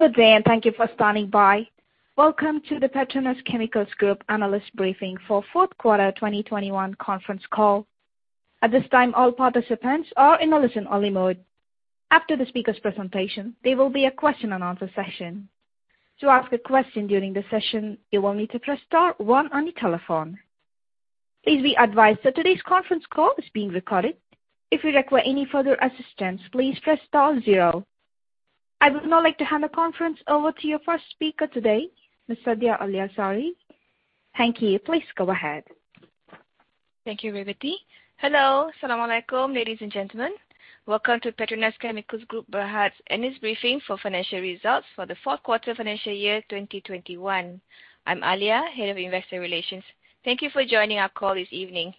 Good day, and thank you for standing by. Welcome to the PETRONAS Chemicals Group analyst briefing for fourth quarter 2021 conference call. At this time, all participants are in a listen-only mode. After the speaker's presentation, there will be a question and answer session. To ask a question during the session, you will need to press star one on your telephone. Please be advised that today's conference call is being recorded. If you require any further assistance, please press star zero. I would now like to hand the conference over to your first speaker today, Ms. Zaida Alia Shaari. Thank you. Please go ahead. Thank you, Revathy. Hello. Assalamu alaikum, ladies and gentlemen. Welcome to PETRONAS Chemicals Group Berhad's analyst briefing for financial results for the fourth quarter financial year 2021. I'm Alia, Head of Investor Relations. Thank you for joining our call this evening.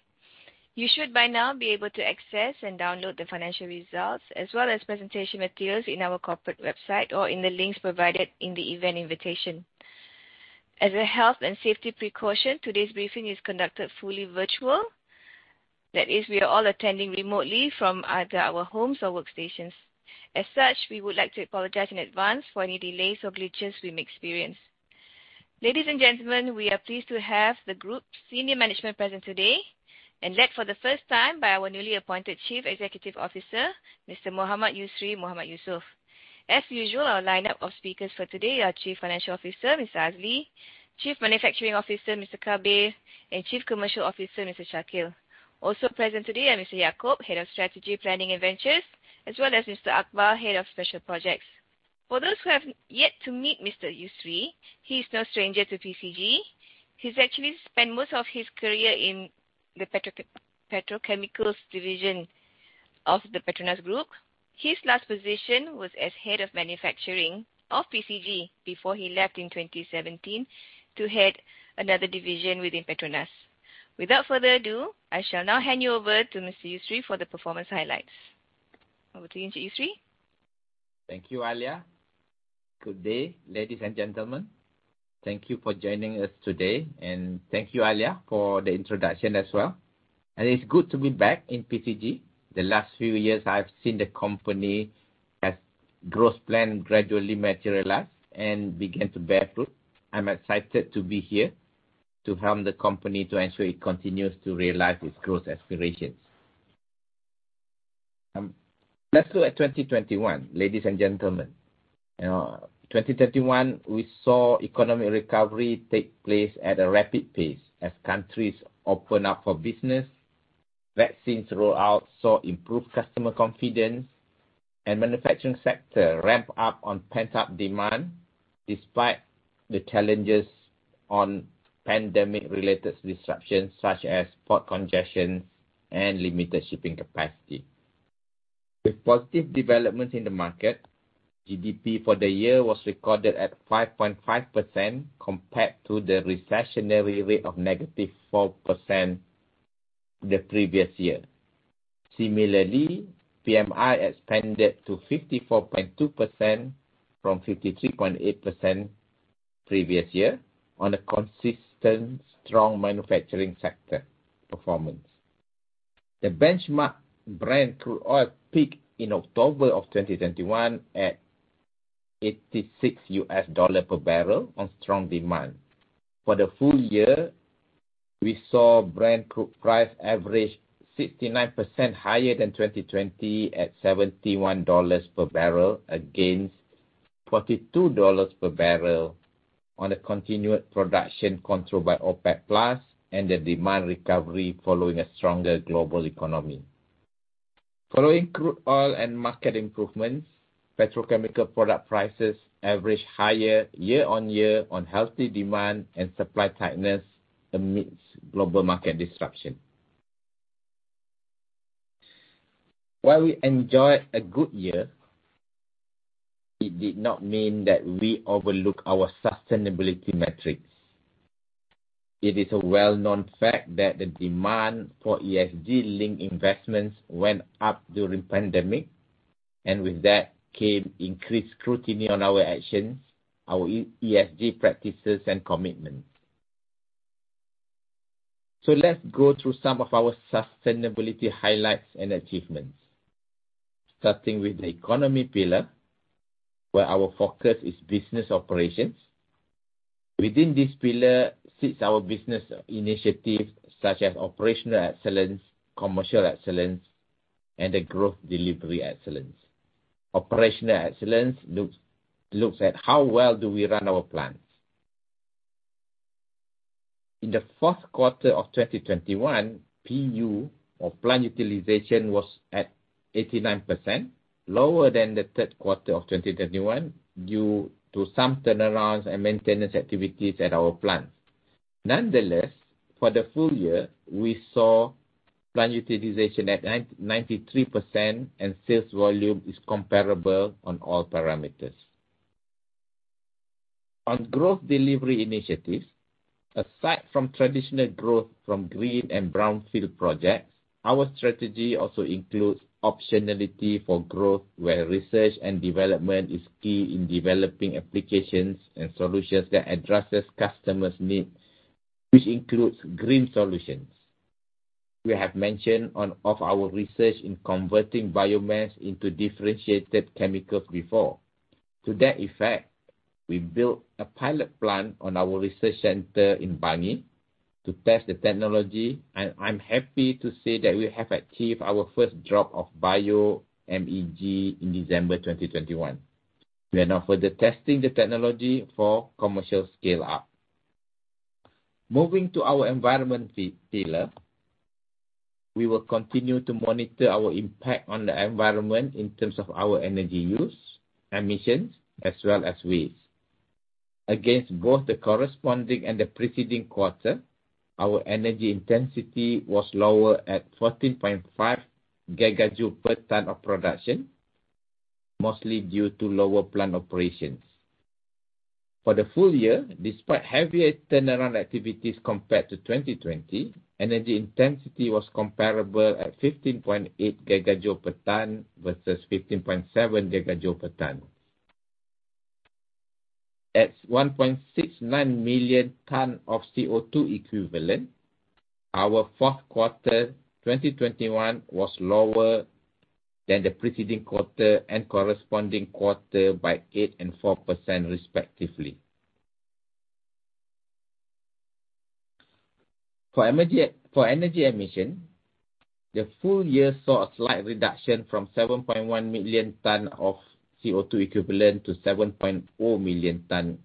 You should by now be able to access and download the financial results as well as presentation materials in our corporate website or in the links provided in the event invitation. As a health and safety precaution, today's briefing is conducted fully virtual. That is, we are all attending remotely from either our homes or workstations. As such, we would like to apologize in advance for any delays or glitches we may experience. Ladies and gentlemen, we are pleased to have the Group Senior Management present today and led for the first time by our newly appointed Chief Executive Officer, Mr. Mohd Yusri Mohamed Yusof. As usual, our lineup of speakers for today are Chief Financial Officer, Mr. Azli, Chief Manufacturing Officer, Mr. Kabir, and Chief Commercial Officer, Mr. Shakeel. Also present today are Mr. Yaacob, Head of Strategy, Planning and Ventures, as well as Mr. Akbar, Head of Special Projects. For those who have yet to meet Mr. Yusri, he is no stranger to PCG. He's actually spent most of his career in the petrochemicals division of the PETRONAS Group. His last position was as Head of Manufacturing of PCG before he left in 2017 to head another division within PETRONAS. Without further ado, I shall now hand you over to Mr. Yusri for the performance highlights. Over to you, Yusri. Thank you, Alia. Good day, ladies and gentlemen. Thank you for joining us today, and thank you, Alia, for the introduction as well. It's good to be back in PCG. The last few years I've seen the company's growth plan gradually materialize and begin to bear fruit. I'm excited to be here to help the company ensure it continues to realize its growth aspirations. Let's look at 2021, ladies and gentlemen. You know, 2021, we saw economic recovery take place at a rapid pace as countries opened up for business. Vaccine rollout saw improved customer confidence and manufacturing sector ramp up on pent-up demand despite the challenges on pandemic-related disruptions such as port congestion and limited shipping capacity. With positive developments in the market, GDP for the year was recorded at 5.5% compared to the recessionary rate of -4% the previous year. Similarly, PMI expanded to 54.2% from 53.8% previous year on a consistent strong manufacturing sector performance. The benchmark Brent crude oil peaked in October 2021 at $86 per barrel on strong demand. For the full year, we saw Brent crude price average 69% higher than 2020 at $71 per barrel against $42 per barrel on a continued production controlled by OPEC Plus and the demand recovery following a stronger global economy. Following crude oil and market improvements, petrochemical product prices averaged higher year-on-year on healthy demand and supply tightness amidst global market disruption. While we enjoyed a good year, it did not mean that we overlook our sustainability metrics. It is a well-known fact that the demand for ESG-linked investments went up during pandemic, and with that came increased scrutiny on our actions, our ESG practices and commitments. Let's go through some of our sustainability highlights and achievements. Starting with the economy pillar, where our focus is business operations. Within this pillar sits our business initiatives such as operational excellence, commercial excellence, and the growth delivery excellence. Operational excellence looks at how well do we run our plants. In the fourth quarter of 2021, PU or plant utilization was at 89%, lower than the third quarter of 2021 due to some turnarounds and maintenance activities at our plant. Nonetheless, for the full year, we saw plant utilization at 93% and sales volume is comparable on all parameters. On growth delivery initiatives, aside from traditional growth from green and brown field projects, our strategy also includes optionality for growth, where research and development is key in developing applications and solutions that addresses customers needs, which includes green solutions. We have mentioned one of our research in converting biomass into differentiated chemicals before. To that effect, we built a pilot plant on our research center in Bangi to test the technology, and I'm happy to say that we have achieved our first drop of bio-MEG in December 2021. We are now further testing the technology for commercial scale-up. Moving to our environmental pillar, we will continue to monitor our impact on the environment in terms of our energy use, emissions, as well as waste. Against both the corresponding and the preceding quarter, our energy intensity was lower at 14.5 gigajoule per ton of production, mostly due to lower plant operations. For the full year, despite heavier turnaround activities compared to 2020, energy intensity was comparable at 15.8 gigajoule per ton versus 15.7 gigajoule per ton. At 1.69 million ton of CO₂ equivalent, our fourth quarter 2021 was lower than the preceding quarter and corresponding quarter by 8% and 4% respectively. For energy emission, the full year saw a slight reduction from 7.1 million ton of CO₂ equivalent to 7.0 million ton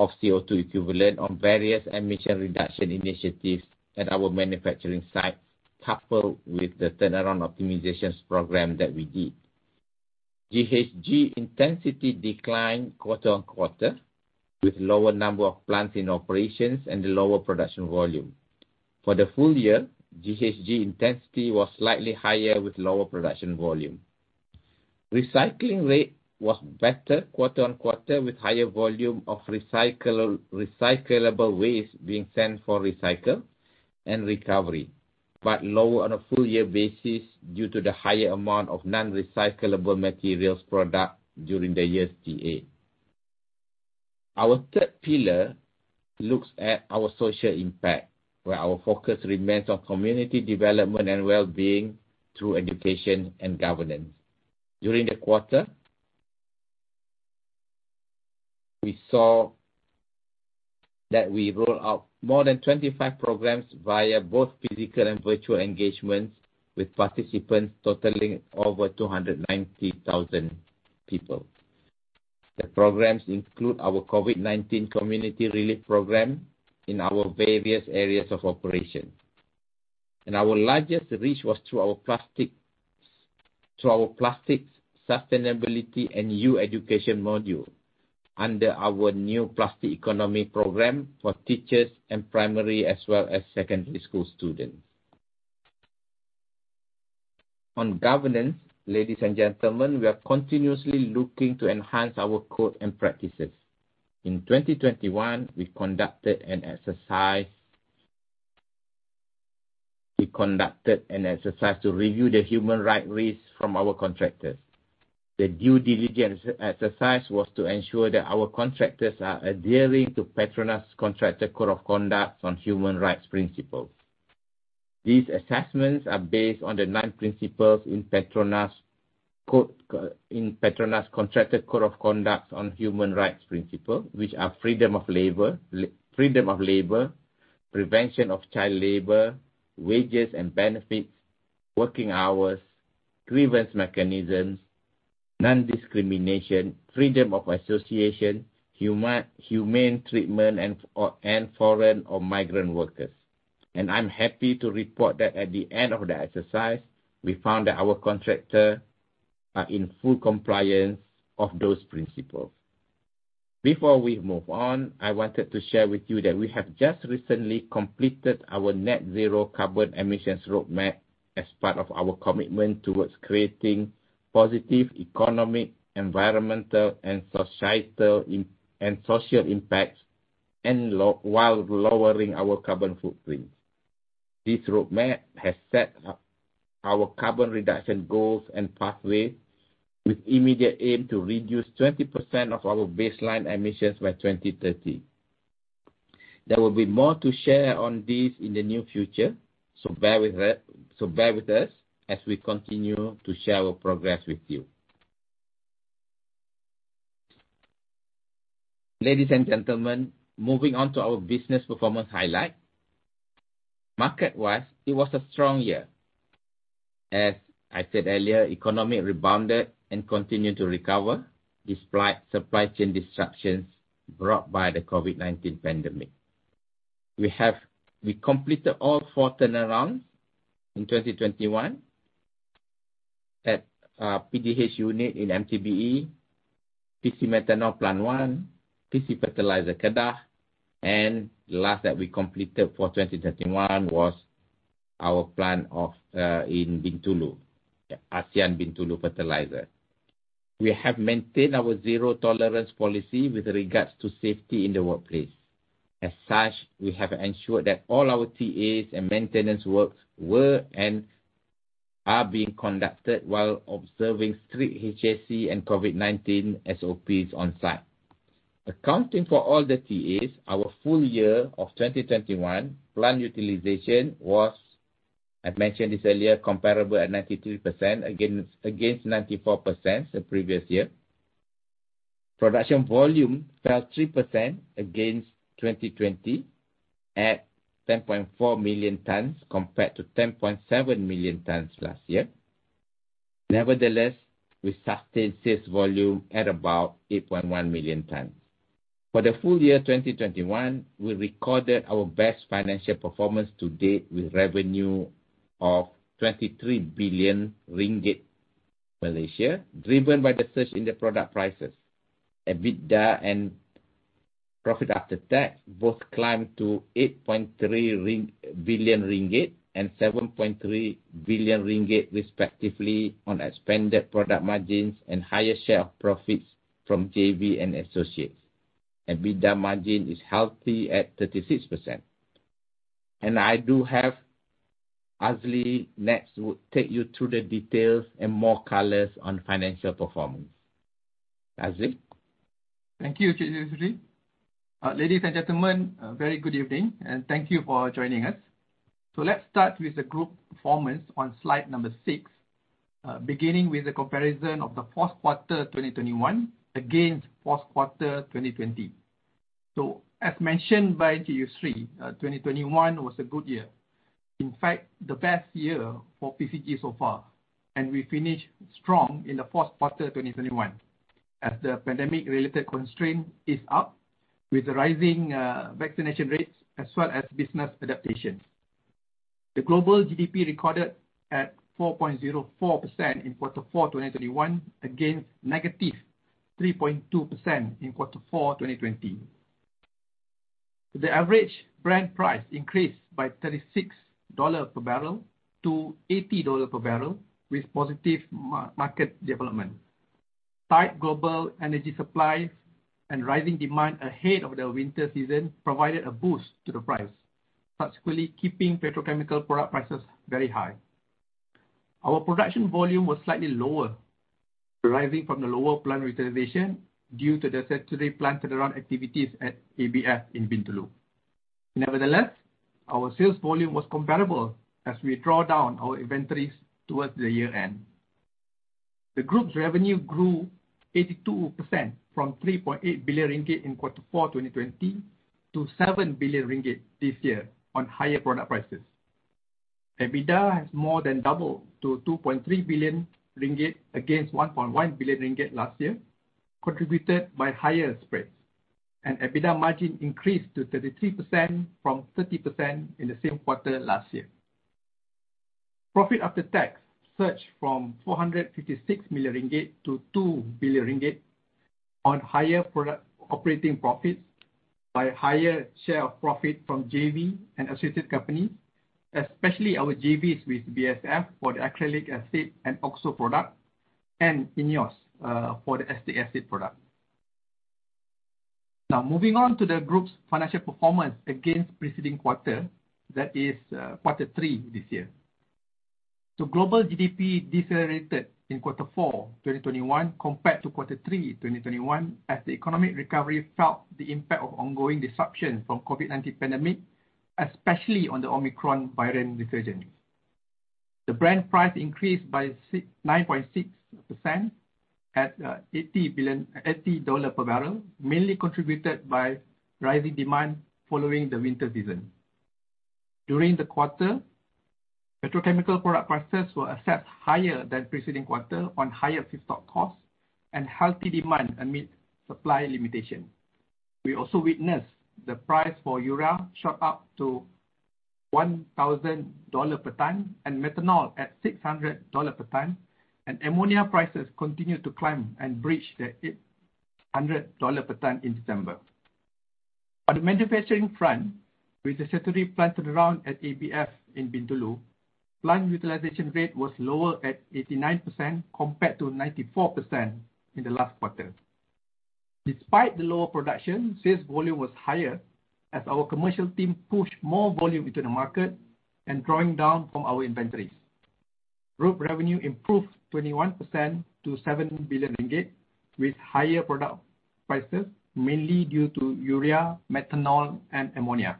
of CO₂ equivalent on various emission reduction initiatives at our manufacturing site, coupled with the turnaround optimizations program that we did. GHG intensity declined quarter-on-quarter, with lower number of plants in operations and lower production volume. For the full year, GHG intensity was slightly higher with lower production volume. Recycling rate was better quarter-on-quarter, with higher volume of recyclable waste being sent for recycling and recovery. Lower on a full year basis due to the higher amount of non-recyclable materials produced during the year's TA. Our third pillar looks at our social impact, where our focus remains on community development and well-being through education and governance. During the quarter, we saw that we roll out more than 25 programs via both physical and virtual engagements, with participants totaling over 290,000 people. The programs include our COVID-19 community relief program in our various areas of operation. Our largest reach was through our plastics, through our plastics sustainability and new education module under our new plastic economy program for teachers and primary as well as secondary school students. On governance, ladies and gentlemen, we are continuously looking to enhance our code and practices. In 2021, we conducted an exercise to review the human rights risks from our contractors. The due diligence exercise was to ensure that our contractors are adhering to PETRONAS Contractors Code of Conduct on Human Rights. These assessments are based on the nine principles in PETRONAS Contractors Code of Conduct on Human Rights, which are freedom of labor, prevention of child labor, wages and benefits, working hours, grievance mechanisms, non-discrimination, freedom of association, humane treatment and foreign or migrant workers. I'm happy to report that at the end of the exercise, we found that our contractors are in full compliance with those principles. Before we move on, I wanted to share with you that we have just recently completed our net zero carbon emissions roadmap as part of our commitment towards creating positive economic, environmental, and societal impact and social impacts, and while lowering our carbon footprint. This roadmap has set our carbon reduction goals and pathways with immediate aim to reduce 20% of our baseline emissions by 2030. There will be more to share on this in the near future, so bear with us as we continue to share our progress with you. Ladies and gentlemen, moving on to our business performance highlight. Market-wise, it was a strong year. As I said earlier, economy rebounded and continued to recover despite supply chain disruptions brought by the COVID-19 pandemic. We completed all four turnarounds in 2021 at PCG unit in MTBE, PC Methanol Plant one, PC Fertilizer Kedah, and the last that we completed for 2021 was our plant in Bintulu, ASEAN Bintulu Fertilizer. We have maintained our zero tolerance policy with regards to safety in the workplace. As such, we have ensured that all our TAs and maintenance works were and are being conducted while observing strict HSE and COVID-19 SOPs on site. Accounting for all the TAs, our full year of 2021 plant utilization was, I've mentioned this earlier, comparable at 93% against 94% the previous year. Production volume fell 3% against 2020 at 10.4 million tons compared to 10.7 million tons last year. Nevertheless, we sustained sales volume at about 8.1 million tons. For the full year 2021, we recorded our best financial performance to date with revenue of 23 billion ringgit, driven by the surge in the product prices. EBITDA and profit after tax both climbed to 8.3 billion ringgit and 7.3 billion ringgit respectively on expanded product margins and higher share of profits from JV and associates. EBITDA margin is healthy at 36%. I do have Azli next who take you through the details and more colors on financial performance. Azli. Thank you, Mohd Yusri Mohamed Yusof. Ladies and gentlemen, a very good evening, and thank you for joining us. Let's start with the group performance on slide number six, beginning with the comparison of the fourth quarter 2021 against fourth quarter 2020. As mentioned by Mohd Yusri Mohamed Yusof, 2021 was a good year. In fact, the best year for PCG so far. We finished strong in the fourth quarter 2021 as the pandemic-related constraints eased up with the rising vaccination rates as well as business adaptations. The global GDP recorded 4.04% in quarter four 2021 against negative 3.2% in quarter four, 2020. The average Brent price increased by $36 per barrel to $80 per barrel with positive market development. Tight global energy supplies and rising demand ahead of the winter season provided a boost to the price, subsequently keeping petrochemical product prices very high. Our production volume was slightly lower, deriving from the lower plant reservation due to the statutory plant turnaround activities at ABF in Bintulu. Nevertheless, our sales volume was comparable as we draw down our inventories towards the year-end. The group's revenue grew 82% from 3.8 billion ringgit in quarter four, 2020, to 7 billion ringgit this year on higher product prices. EBITDA has more than doubled to 2.3 billion ringgit against 1.1 billion ringgit last year, contributed by higher spreads. EBITDA margin increased to 33% from 30% in the same quarter last year. Profit after tax surged from 456 million-2 billion ringgit on higher product operating profits by higher share of profit from JV and associated companies, especially our JVs with BASF for the acrylic acid and OXO product and INEOS for the acetic acid product. Now, moving on to the group's financial performance against preceding quarter, that is, quarter three this year. Global GDP decelerated in quarter four 2021, compared to quarter three 2021, as the economic recovery felt the impact of ongoing disruption from COVID-19 pandemic, especially on the Omicron variant resurgence. The Brent price increased by 9.6% at $80 per barrel, mainly contributed by rising demand following the winter season. During the quarter, petrochemical product prices were assessed higher than preceding quarter on higher feedstock costs and healthy demand amid supply limitation. We also witnessed the price for urea shot up to $1,000 per ton and methanol at $600 per ton, and ammonia prices continued to climb and breached the $800 per ton in December. On the manufacturing front, with the statutory plant turnaround at ABF in Bintulu, plant utilization rate was lower at 89% compared to 94% in the last quarter. Despite the lower production, sales volume was higher as our commercial team pushed more volume into the market and drawing down from our inventories. Group revenue improved 21% to 7 billion ringgit, with higher product prices mainly due to urea, methanol, and ammonia.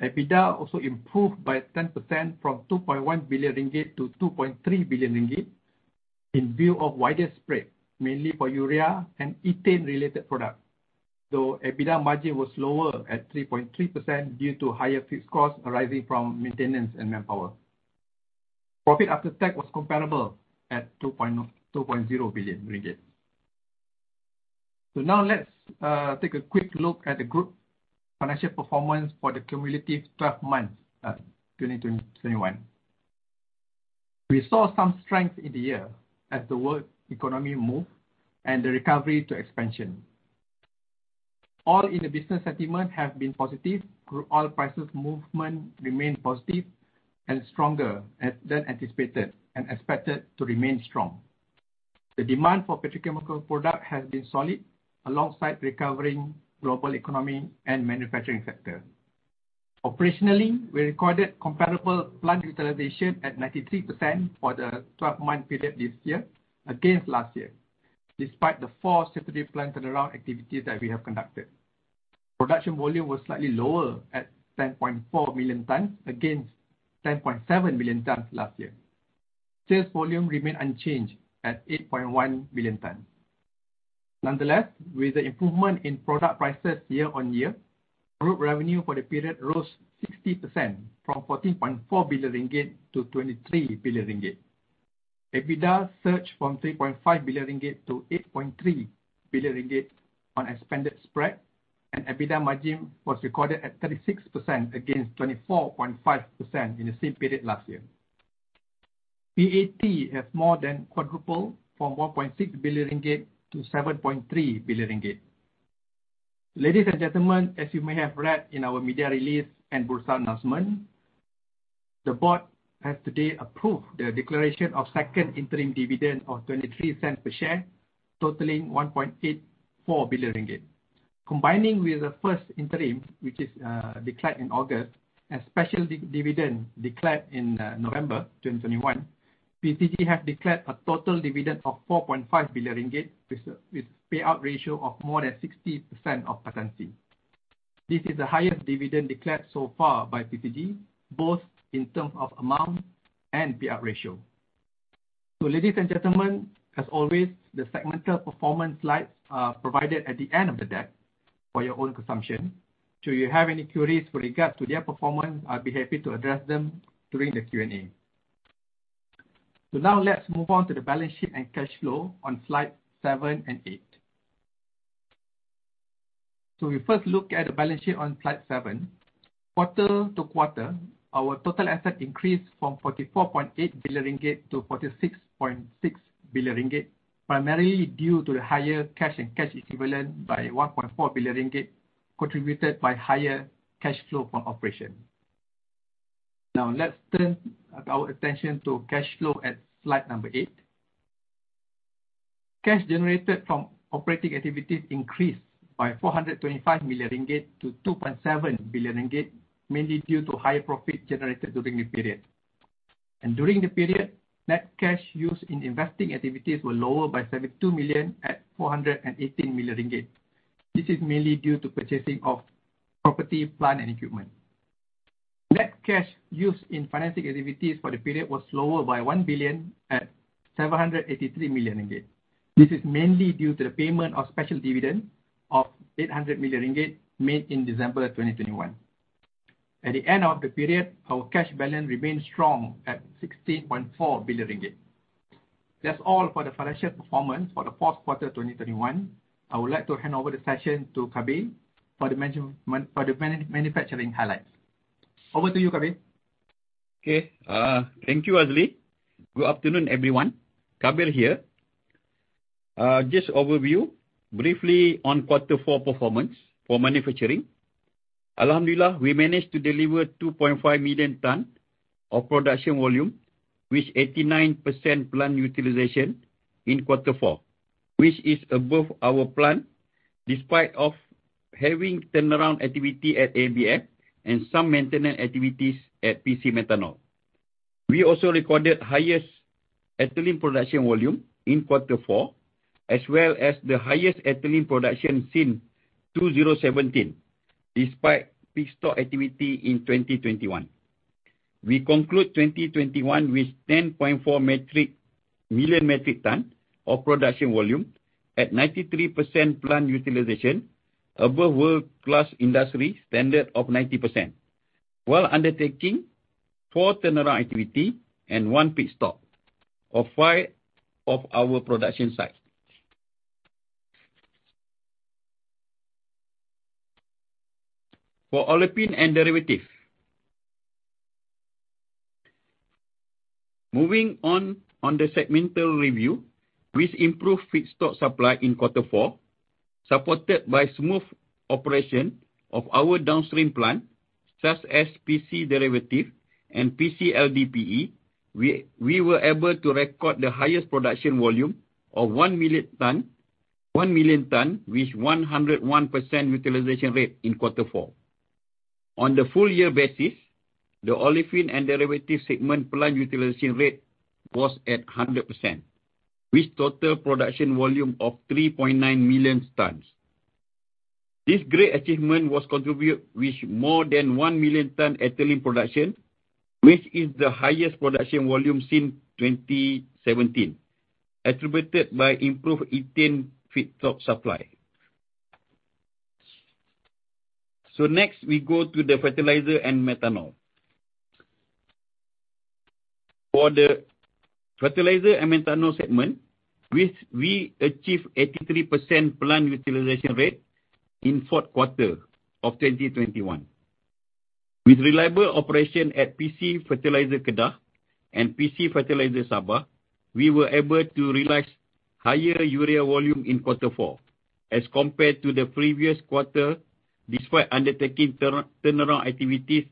EBITDA also improved by 10% from 2.1 billion-2.3 billion ringgit in view of wider spread, mainly for urea and ethane-related products, though EBITDA margin was lower at 3.3% due to higher fixed costs arising from maintenance and manpower. Profit after tax was comparable at 2.0 billion ringgit. Now let's take a quick look at the group financial performance for the cumulative 12 months, 2021. We saw some strength in the year as the world economy moved and the recovery to expansion. Oil and business sentiment have been positive. Crude oil prices movement remained positive and stronger than anticipated and expected to remain strong. The demand for petrochemical product has been solid alongside recovering global economy and manufacturing sector. Operationally, we recorded comparable plant utilization at 93% for the 12 month period this year against last year, despite the four separate plant turnaround activities that we have conducted. Production volume was slightly lower at 10.4 million tons against 10.7 million tons last year. Sales volume remained unchanged at 8.1 million tons. Nonetheless, with the improvement in product prices year-on-year, group revenue for the period rose 60% from 14.4 billion-23 billion ringgit. EBITDA surged from 3.5 billion-8.3 billion ringgit on expanded spread, and EBITDA margin was recorded at 36% against 24.5% in the same period last year. PAT has more than quadrupled from 1.6 billion-7.3 billion ringgit. Ladies and gentlemen, as you may have read in our media release and Bursa announcement, the board has today approved the declaration of second interim dividend of 0.23 cent per share, totaling 1.84 billion ringgit. Combining with the first interim, which is declared in August, a special dividend declared in November 2021, PCG has declared a total dividend of 4.5 billion ringgit with payout ratio of more than 60% of PAT. This is the highest dividend declared so far by PCG, both in terms of amount and payout ratio. Ladies and gentlemen, as always, the segmental performance slides are provided at the end of the deck for your own consumption. Should you have any queries with regard to their performance, I'll be happy to address them during the Q&A. Now let's move on to the balance sheet and cash flow on slide seven and eight. We first look at the balance sheet on slide seven. Quarter-to-quarter, our total asset increased from 44.8 billion-46.6 billion ringgit, primarily due to the higher cash and cash equivalent by 1.4 billion ringgit, contributed by higher cash flow from operation. Now, let's turn our attention to cash flow at slide number eight. Cash generated from operating activities increased by 425 million ringgit-YR 2.7 billion, mainly due to higher profit generated during the period. During the period, net cash used in investing activities were lower by 72 million at 418 million ringgit. This is mainly due to purchasing of property, plant, and equipment. Net cash used in financing activities for the period was lower by 1 billion at 783 million ringgit. This is mainly due to the payment of special dividend of 800 million ringgit made in December 2021. At the end of the period, our cash balance remained strong at 16.4 billion ringgit. That's all for the financial performance for the fourth quarter 2021. I would like to hand over the session to Kabir for the manufacturing highlights. Over to you, Kabir. Okay. Thank you, Azli. Good afternoon, everyone. Kabir here. Just overview briefly on quarter four performance for manufacturing. Alhamdulillah, we managed to deliver 2.5 million tons of production volume, with 89% plant utilization in quarter four, which is above our plan despite having turnaround activity at ABF and some maintenance activities at PC Methanol. We also recorded highest ethylene production volume in quarter four, as well as the highest ethylene production since 2017, despite pit stop activity in 2021. We conclude 2021 with 10.4 million metric tons of production volume at 93% plant utilization above world-class industry standard of 90%, while undertaking four turnaround activity and one pit stop of five of our production sites. For olefin and derivative. Moving on the segmental review, which improved feedstock supply in quarter four, supported by smooth operation of our downstream plant, such as PC Derivatives and PC LDPE, we were able to record the highest production volume of 1 million tons with 101% utilization rate in quarter four. On the full year basis, the Olefins and Derivatives segment plant utilization rate was at 100%, with total production volume of 3.9 million tons. This great achievement was contribute with more than 1 million tons ethylene production, which is the highest production volume since 2017, attributed by improved ethane feedstock supply. Next, we go to the fertilizer and methanol. For the Fertilizer and Methanol segment, which we achieved 83% plant utilization rate in fourth quarter of 2021. With reliable operation at PC Fertiliser Kedah and PC Fertiliser Sabah, we were able to realize higher urea volume in quarter four as compared to the previous quarter, despite undertaking turnaround activities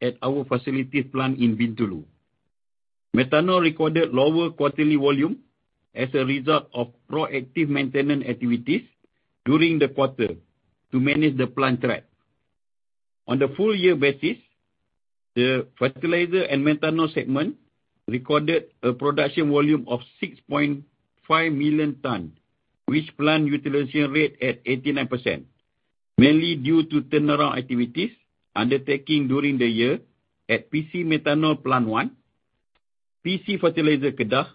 at our plant in Bintulu. Methanol recorded lower quarterly volume as a result of proactive maintenance activities during the quarter to manage the plant throughput. On the full-year basis, the fertilizer and methanol segment recorded a production volume of 6.5 million tons, with a plant utilization rate of 89%, mainly due to turnaround activities undertaken during the year at PC Methanol Plant 1, PC Fertiliser Kedah,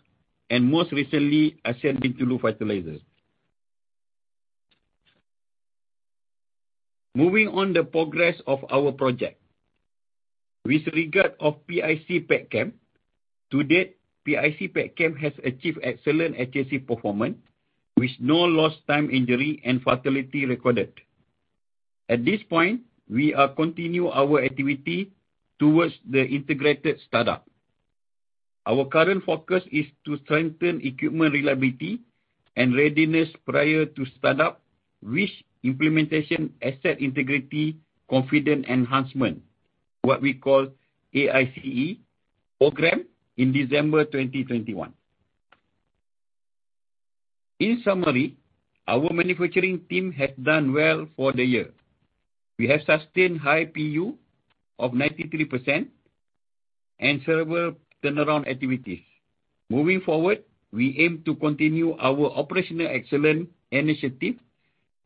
and most recently, ASEAN Bintulu Fertilizer. Moving on to the progress of our project. With regard to PIC Petchem, to date, PIC Petchem has achieved excellent HSE performance, with no lost time injury and fatality recorded. At this point, we continue our activities towards the integrated startup. Our current focus is to strengthen equipment reliability and readiness prior to start-up, with implementation of Asset Integrity Confidence Enhancement, what we call AICE program, in December 2021. In summary, our manufacturing team has done well for the year. We have sustained high PU of 93% and several turnaround activities. Moving forward, we aim to continue our operational excellence initiative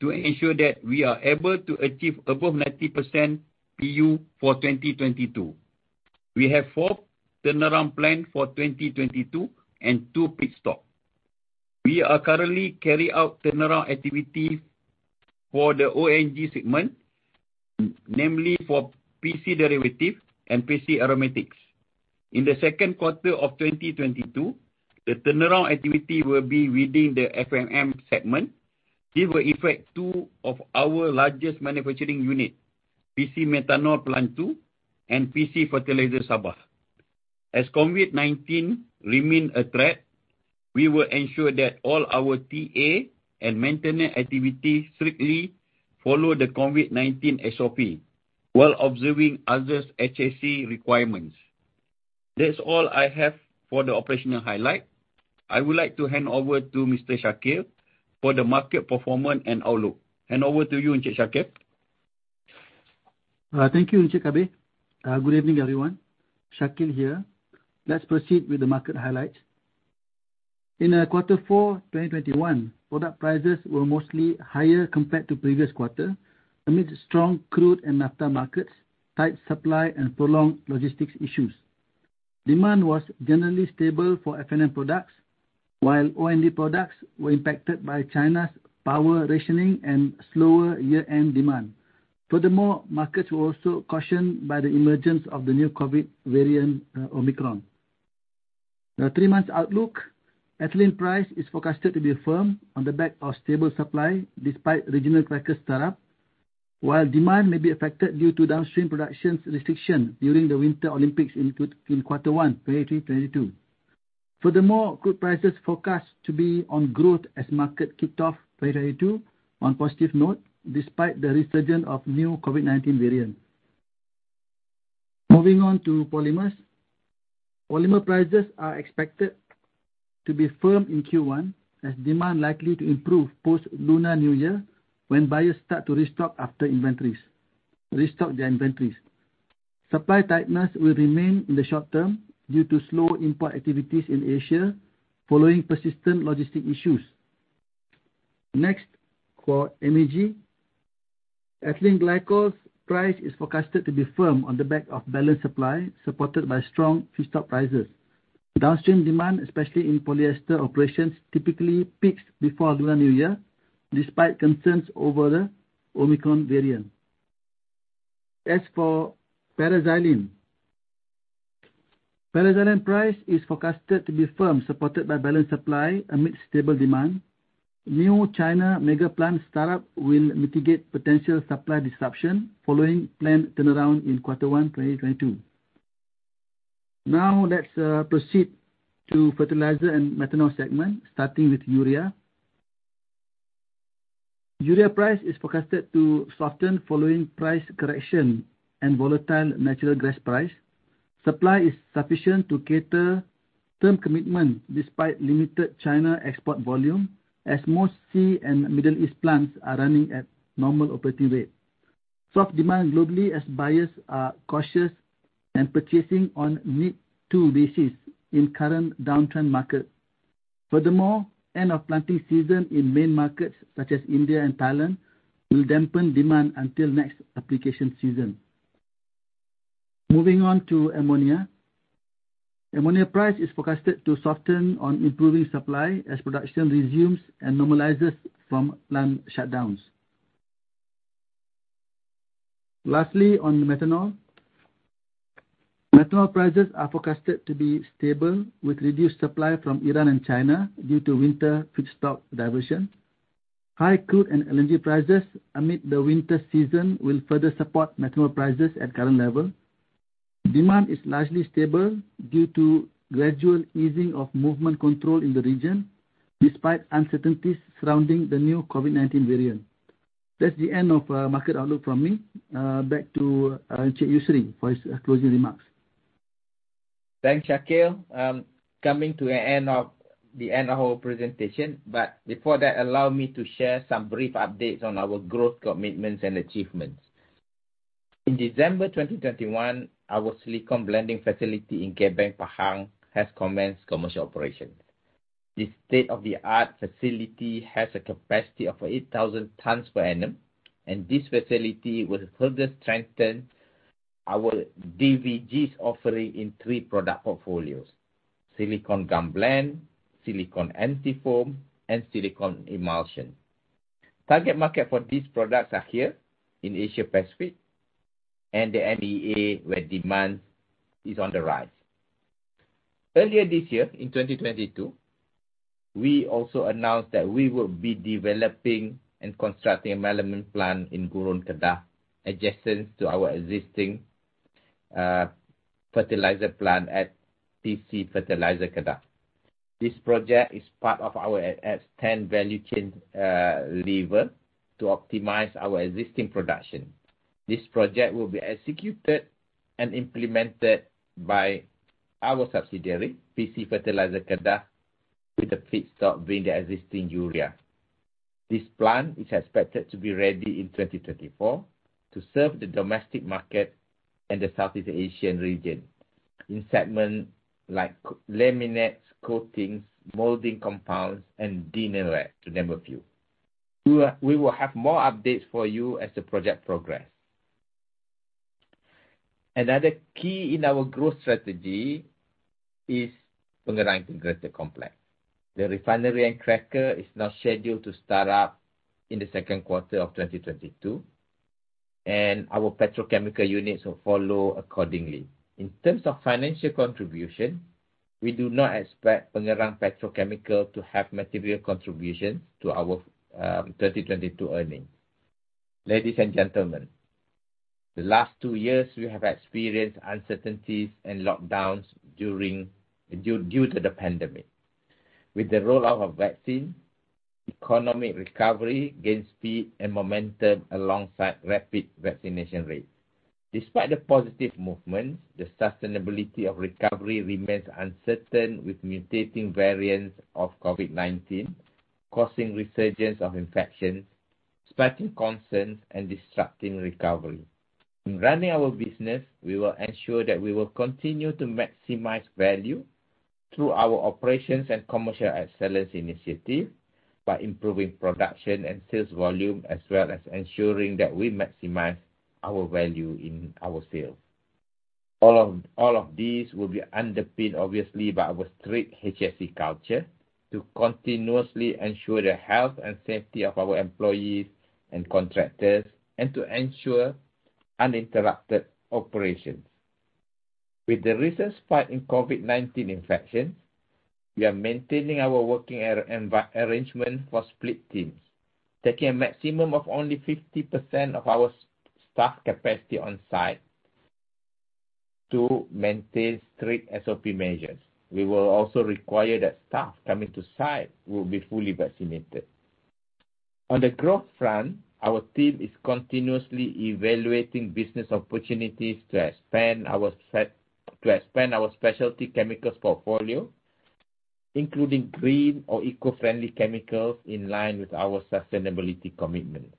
to ensure that we are able to achieve above 90% PU for 2022. We have four turnaround plans for 2022 and two pit stops. We are currently carrying out turnaround activity for the O&D segment, namely for PC Derivatives and PC Aromatics. In the second quarter of 2022, the turnaround activity will be within the F&M segment. This will affect two of our largest manufacturing units, PC Methanol Plant Two and PC Fertilizer Sabah. As COVID-19 remains a threat, we will ensure that all our TA and maintenance activities strictly follow the COVID-19 SOP while observing others' HSE requirements. That's all I have for the operational highlight. I would like to hand over to Mr. Shakeel for the market performance and outlook. Hand over to you, Shakil. Thank you, Kabir. Good evening, everyone. Shakeel here. Let's proceed with the market highlights. In quarter four 2021, product prices were mostly higher compared to previous quarter amid strong crude and naphtha markets, tight supply and prolonged logistics issues. Demand was generally stable for F&M products, while O&D products were impacted by China's power rationing and slower year-end demand. Furthermore, markets were also cautioned by the emergence of the new COVID variant, Omicron. The three-month outlook, ethylene price is forecasted to be firm on the back of stable supply despite regional cracker startup, while demand may be affected due to downstream production restriction during the Winter Olympics in quarter one 2022. Furthermore, crude prices forecast to be on growth as market kicked off 2022 on positive note despite the resurgence of new COVID-19 variant. Moving on to polymers. Polymer prices are expected to be firm in Q1 as demand likely to improve post-Lunar New Year when buyers start to restock their inventories. Supply tightness will remain in the short term due to slow import activities in Asia following persistent logistic issues. Next, for MEG. Ethylene glycol price is forecasted to be firm on the back of balanced supply supported by strong feedstock prices. Downstream demand, especially in polyester operations, typically peaks before Lunar New Year despite concerns over the Omicron variant. As for paraxylene. Paraxylene price is forecasted to be firm, supported by balanced supply amid stable demand. New China mega plant startup will mitigate potential supply disruption following plant turnaround in Q1 2022. Now let's proceed to fertilizer and methanol segment, starting with urea. Urea price is forecasted to soften following price correction and volatile natural gas price. Supply is sufficient to cater to term commitment despite limited China export volume, as most SEA and Middle East plants are running at normal operating rate. Soft demand globally, as buyers are cautious and purchasing on need-to basis in current downturn market. Furthermore, end of planting season in main markets such as India and Thailand will dampen demand until next application season. Moving on to ammonia. Ammonia price is forecasted to soften on improving supply as production resumes and normalizes from plant shutdowns. Lastly, on methanol. Methanol prices are forecasted to be stable with reduced supply from Iran and China due to winter feedstock diversion. High crude and LNG prices amid the winter season will further support methanol prices at current level. Demand is largely stable due to gradual easing of movement control in the region despite uncertainties surrounding the new COVID-19 variant. That's the end of market outlook from me. Back to Mohd Yusri Mohamed Yusof for his closing remarks. Thanks, Shakeel. Coming to the end of our presentation. Before that, allow me to share some brief updates on our growth commitments and achievements. In December 2021, our silicone blending facility in Gebeng, Pahang, has commenced commercial operation. This state-of-the-art facility has a capacity of 8,000 tons per annum, and this facility will further strengthen our DVGs offering in three product portfolios: silicone gum blend, silicone antifoam, and silicone emulsion. Target market for these products are here in Asia Pacific and the MEA, where demand is on the rise. Earlier this year, in 2022, we also announced that we will be developing and constructing a melamine plant in Gurun, Kedah, adjacent to our existing fertilizer plant at PC Fertilizer Kedah. This project is part of our S-10 value chain lever to optimize our existing production. This project will be executed and implemented by our subsidiary, PC Fertiliser Kedah, with the feedstock being the existing urea. This plant is expected to be ready in 2024 to serve the domestic market and the Southeast Asian region in segments like laminates, coatings, molding compounds and dinnerware, to name a few. We will have more updates for you as the project progress. Another key in our growth strategy is Pengerang Integrated Complex. The refinery and cracker is now scheduled to start up in the second quarter of 2022, and our petrochemical units will follow accordingly. In terms of financial contribution, we do not expect Pengerang Petrochemical to have material contribution to our 2022 earnings. Ladies and gentlemen, the last two years we have experienced uncertainties and lockdowns due to the pandemic. With the rollout of vaccine, economic recovery gains speed and momentum alongside rapid vaccination rate. Despite the positive movement, the sustainability of recovery remains uncertain, with mutating variants of COVID-19 causing resurgence of infections, sparking concerns and disrupting recovery. In running our business, we will ensure that we will continue to maximize value through our operations and commercial excellence initiative by improving production and sales volume, as well as ensuring that we maximize our value in our sales. All of these will be underpinned, obviously, by our strict HSE culture to continuously ensure the health and safety of our employees and contractors, and to ensure uninterrupted operations. With the recent spike in COVID-19 infections, we are maintaining our working arrangement for split teams, taking a maximum of only 50% of our staff capacity on site to maintain strict SOP measures. We will also require that staff coming to site will be fully vaccinated. On the growth front, our team is continuously evaluating business opportunities to expand our specialty chemicals portfolio, including green or eco-friendly chemicals in line with our sustainability commitment.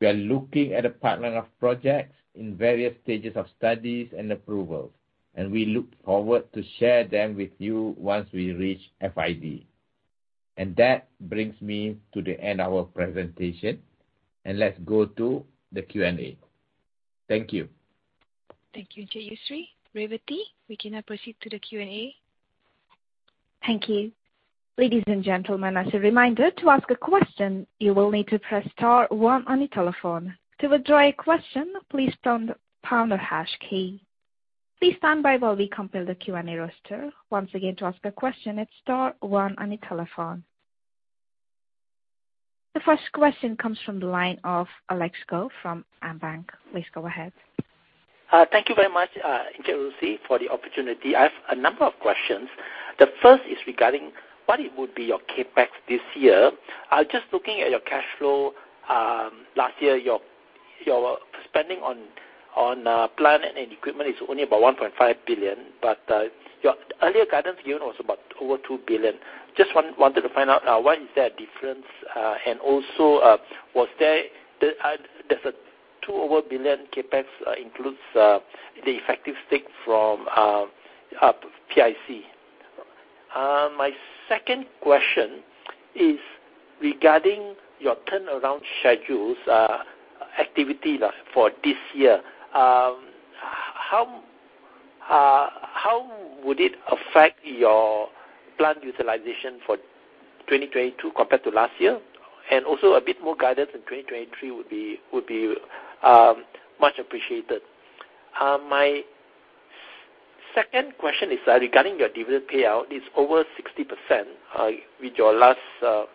We are looking at a portfolio of projects in various stages of studies and approvals, and we look forward to share them with you once we reach FID. That brings me to the end of our presentation, and let's go to the Q&A. Thank you. Thank you, Mohd Yusri Mohamed Yusof. Revathy, we can now proceed to the Q&A. Thank you. Ladies and gentlemen, as a reminder, to ask a question, you will need to press star one on your telephone. To withdraw your question, please pound or hash key. Please stand by while we compile the Q&A roster. Once again, to ask a question, it's star one on your telephone. The first question comes from the line of Alex Goh from AmBank. Please go ahead. Thank you very much, Encik Yusri, for the opportunity. I have a number of questions. The first is regarding what it would be your CapEx this year. Just looking at your cash flow, last year, your spending on plant and equipment is only about 1.5 billion. Your earlier guidance given was about over 2 billion. Just wanted to find out why is there a difference? And also, does the over two billion CapEx include the effective stake from PIC? My second question is regarding your turnaround schedules activity now for this year. How would it affect your plant utilization for 2022 compared to last year? And also a bit more guidance in 2023 would be much appreciated. My second question is regarding your dividend payout is over 60%, with your last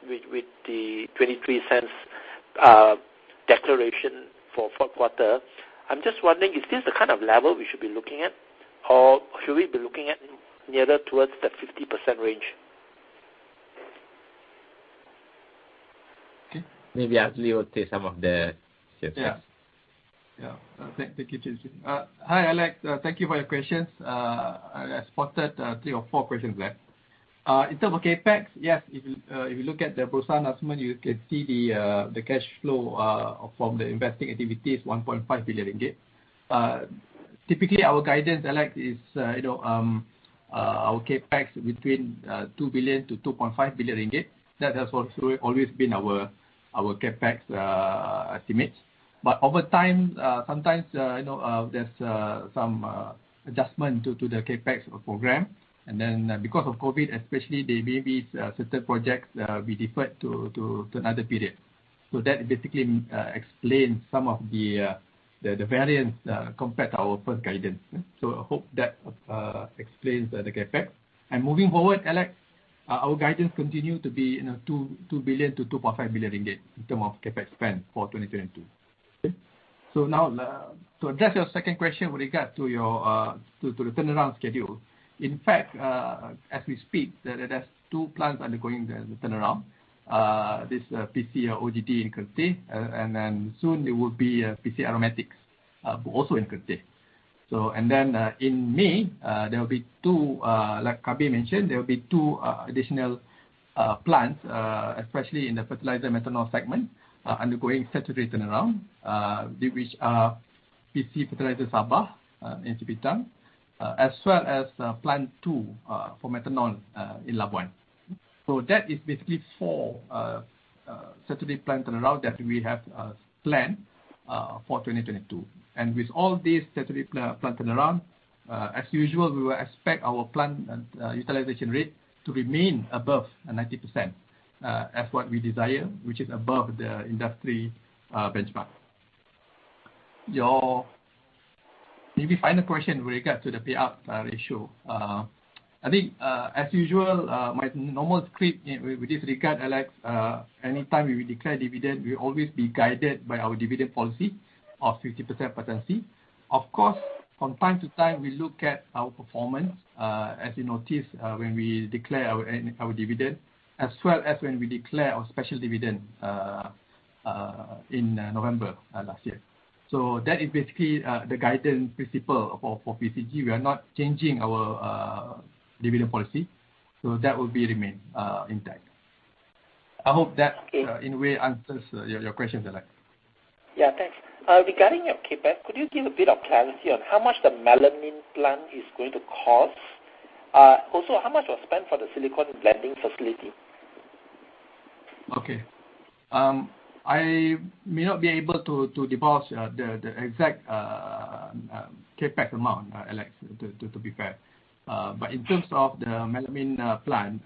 with the 0.23 declaration for fourth quarter. I'm just wondering, is this the kind of level we should be looking at? Or should we be looking at nearer towards that 50% range? Okay. Maybe Azli will take some of the questions. Thank you, Chin Chin. Hi, Alex. Thank you for your questions. I spotted three or four questions there. In terms of CapEx, yes, if you look at the pro forma estimate, you can see the cash flow from the investing activity is 1.5 billion ringgit. Typically, our guidance, Alex, is, you know, our CapEx between 2 billion-2.5 billion ringgit. That has also always been our CapEx estimates. But over time, sometimes, you know, there's some adjustment to the CapEx program. Because of COVID especially, there may be certain projects be deferred to another period. That basically explains some of the variance compared to our first guidance. I hope that explains the CapEx. Moving forward, Alex, our guidance continue to be, you know, 2 billion-2.5 billion ringgit in terms of CapEx spend for 2022. Okay? Now, to address your second question with regard to the turnaround schedule. In fact, as we speak, there's two plants undergoing the turnaround. PC O&D in Kertih, and then soon it will be PC Aromatics, but also in Kertih. In May, there will be two, like Kabir mentioned, additional plants, especially in the fertilizer methanol segment, undergoing statutory turnaround, which are PC Fertiliser Sabah in Sipitang as well as plant two for methanol in Labuan. That is basically four statutory plant turnaround that we have planned for 2022. With all these statutory plant turnaround, as usual, we will expect our plant utilization rate to remain above 90%, as what we desire, which is above the industry benchmark. Your maybe final question with regard to the payout ratio. I think, as usual, my normal script with this regard, Alex, anytime we declare dividend, we always be guided by our dividend policy of 50% payout. Of course, from time to time, we look at our performance, as you noticed, when we declare our dividend, as well as when we declare our special dividend in November last year. That is basically the guidance principle for PCG. We are not changing our dividend policy, so that will remain intact. I hope that in a way answers your questions, Alex. Yeah. Thanks. Regarding your CapEx, could you give a bit of clarity on how much the melamine plant is going to cost? Also, how much was spent for the silicone blending facility? Okay. I may not be able to divulge the exact CapEx amount, Alex, to be fair. In terms of the melamine plant,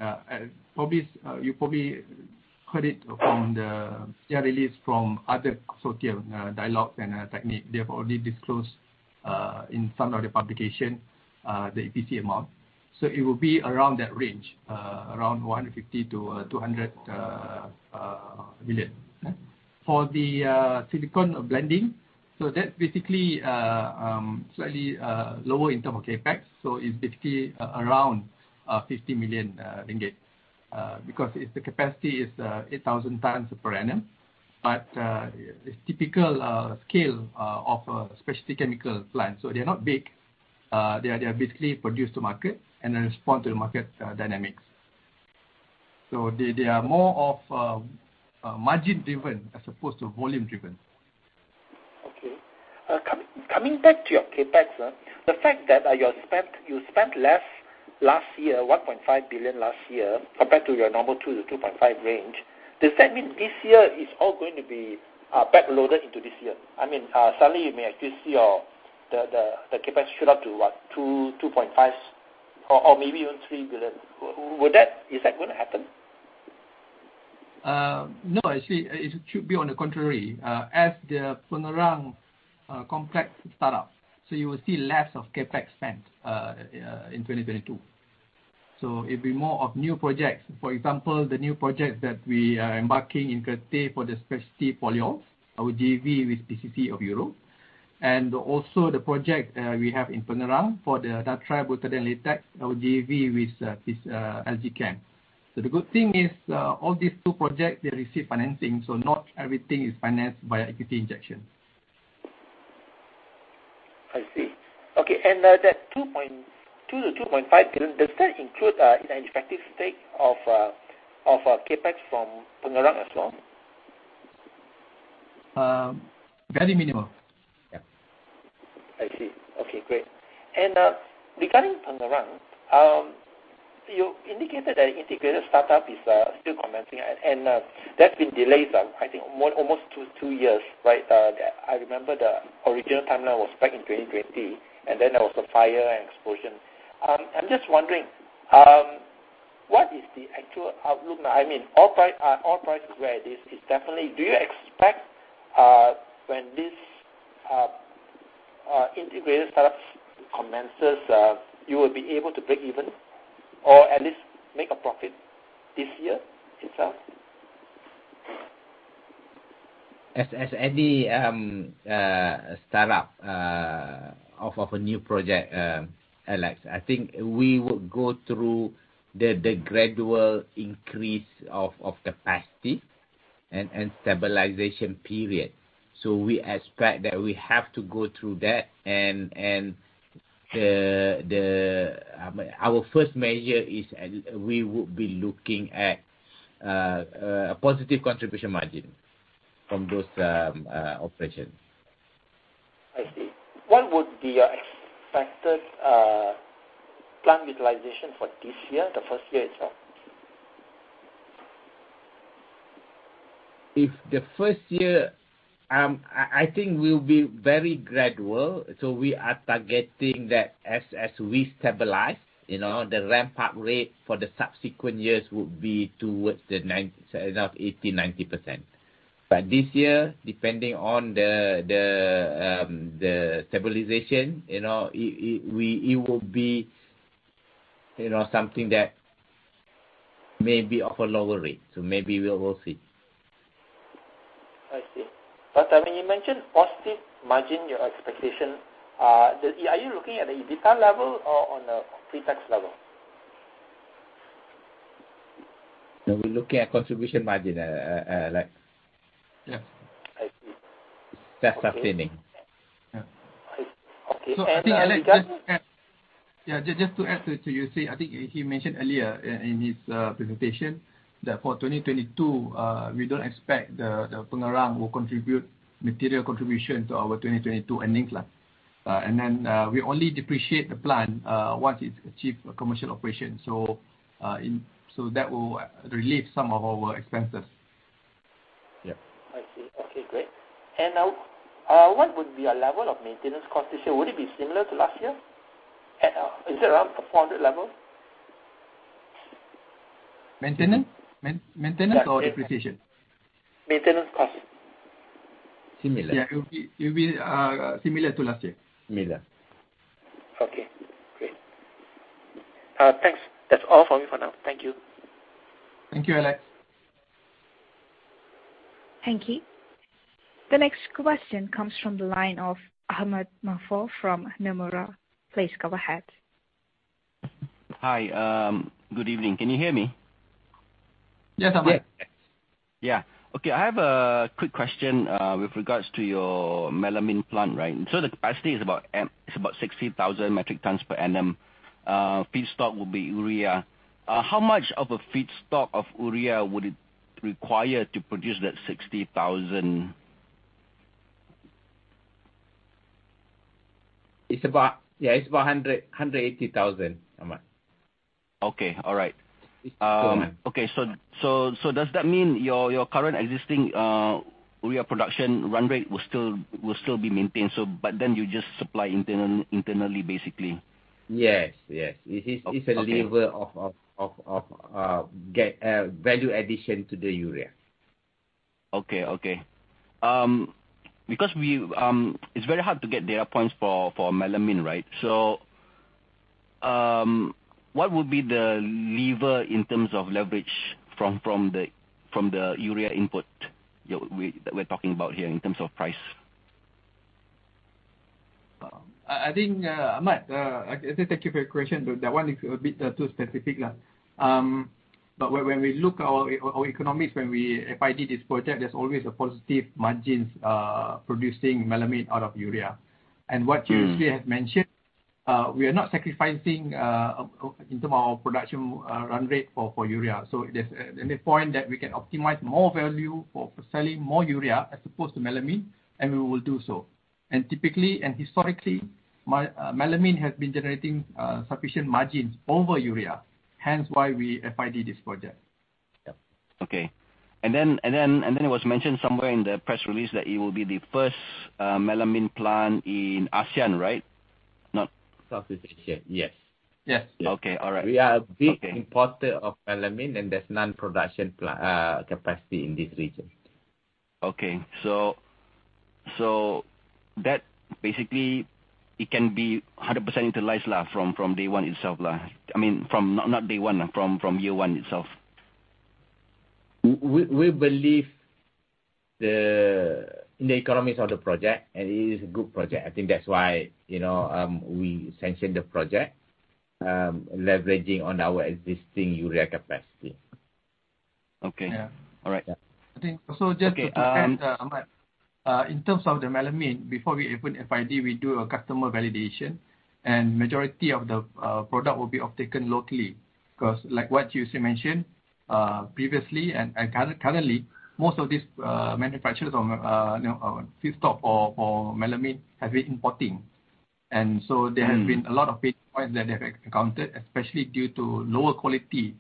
you probably heard it on the release from other sources, dialogue and Technip. They have already disclosed in some of the publications the EPC amount. It will be around that range, around 150 million-200 million. Okay. For the silicone blending, that basically slightly lower in terms of CapEx. It's basically around 50 million ringgit. Because its capacity is 8,000 tons per annum, but it's typical scale of a specialty chemical plant. They're not big. They are basically produced to market and then respond to the market dynamics. They are more of margin-driven as opposed to volume-driven. Okay. Coming back to your CapEx, sir, the fact that you spent less last year, 1.5 billion last year, compared to your normal 2 billion-2.5 billion range, does that mean this year it's all going to be back-loaded into this year? I mean, suddenly you may actually see the CapEx shoot up to what? 2 billion, 2.5 billion, or maybe even 3 billion. Would that. Is that gonna happen? No. Actually, it should be on the contrary. As the Pengerang complex start up, you will see less of CapEx spend in 2022. It'd be more of new projects. For example, the new projects that we are embarking in Kertih for the specialty polyols, our JV with PCC of Europe. And also the project we have in Pengerang for the nitrile butadiene latex, our JV with LG Chem. The good thing is, all these two projects, they receive financing, so not everything is financed via equity injection. I see. Okay. That 2.2 billion-2.5 billion, does that include an effective stake of CapEx from Pengerang as well? Very minimal. Yeah. I see. Okay, great. Regarding Pengerang, you indicated that integrated startup is still commencing and that's been delayed, I think almost two years, right? I remember the original timeline was back in 2020, and then there was a fire and explosion. I'm just wondering, what is the actual outlook now? I mean, all prices where it is, it's definitely. Do you expect, when this integrated startups commences, you will be able to break even or at least make a profit this year itself? As with any startup of a new project, Alex, I think we will go through the gradual increase of capacity and stabilization period. We expect that we have to go through that. Our first measure is we will be looking at positive contribution margin from those operations. I see. What would be your expected plant utilization for this year, the first year itself? In the first year, I think we'll be very gradual, so we are targeting that as we stabilize, you know, the ramp-up rate for the subsequent years will be towards the 80%-90%. But this year, depending on the stabilization, you know, it will be something that may be of a lower rate. Maybe we will see. I see. I mean, you mentioned positive margin, your expectation. Are you looking at the EBITDA level or on the pre-tax level? No, we're looking at contribution margin, like. Yeah. I see. That's our planning. Yeah. Okay. Just- I think, Alex, just add. Yeah, just to add to you, Yusri. I think he mentioned earlier in his presentation that for 2022, we don't expect the Pengerang will contribute material contribution to our 2022 earnings plan. And then, we only depreciate the plant once it achieve a commercial operation. That will relieve some of our expenses. Yeah. I see. Okay, great. Now, what would be your level of maintenance cost this year? Would it be similar to last year at? Is it around 400 level? Maintenance or depreciation? Maintenance cost. Similar. Yeah, it will be similar to last year. Similar. Okay, great. Thanks. That's all for me for now. Thank you. Thank you, Alex. Thank you. The next question comes from the line of Ahmad Maghfur from Nomura. Please go ahead. Hi. Good evening. Can you hear me? Yes, Ahmad. Yeah. I have a quick question with regards to your melamine plant, right? The capacity is about 60,000 metric tons per annum. Feedstock will be urea. How much of a feedstock of urea would it require to produce that 60,000? It's about 180,000, Ahmad. Okay. All right. It's ton. Okay. Does that mean your current existing urea production run rate will still be maintained, so but then you just supply internally, basically? Yes, yes. O-okay. It's a lever of value addition to the urea. Okay. Because it's very hard to get data points for melamine, right? What would be the lever in terms of leverage from the urea input we're talking about here in terms of price? I think, Ahmad, thank you for your question. That one is a bit too specific. When we look our economics, when we FID this project, there's always a positive margins producing melamine out of urea. Mm. What Yusri has mentioned, we are not sacrificing in terms of our production run rate for urea. At any point that we can optimize more value for selling more urea as opposed to melamine, and we will do so. Typically, and historically, melamine has been generating sufficient margins over urea, hence why we FID this project. Yeah. Okay. It was mentioned somewhere in the press release that it will be the first melamine plant in ASEAN, right? Southeast Asia, yes. Yes. Okay. All right. Okay. We are a big importer of melamine and there's no production capacity in this region. Okay. So that basically it can be 100% utilized from day one itself. I mean, not day one, from year one itself. We believe the economics of the project, and it is a good project. I think that's why, you know, we sanctioned the project, leveraging on our existing urea capacity. Okay. Yeah. All right. I think also just to add, Ahmad. Okay. In terms of the melamine, before we even FID, we do a customer validation, and majority of the product will be off-taken locally. Because like what Yusri mentioned, previously and currently, most of these manufacturers on you know feedstock for melamine have been importing. There has been- Mm a lot of pain points that they have encountered, especially due to lower quality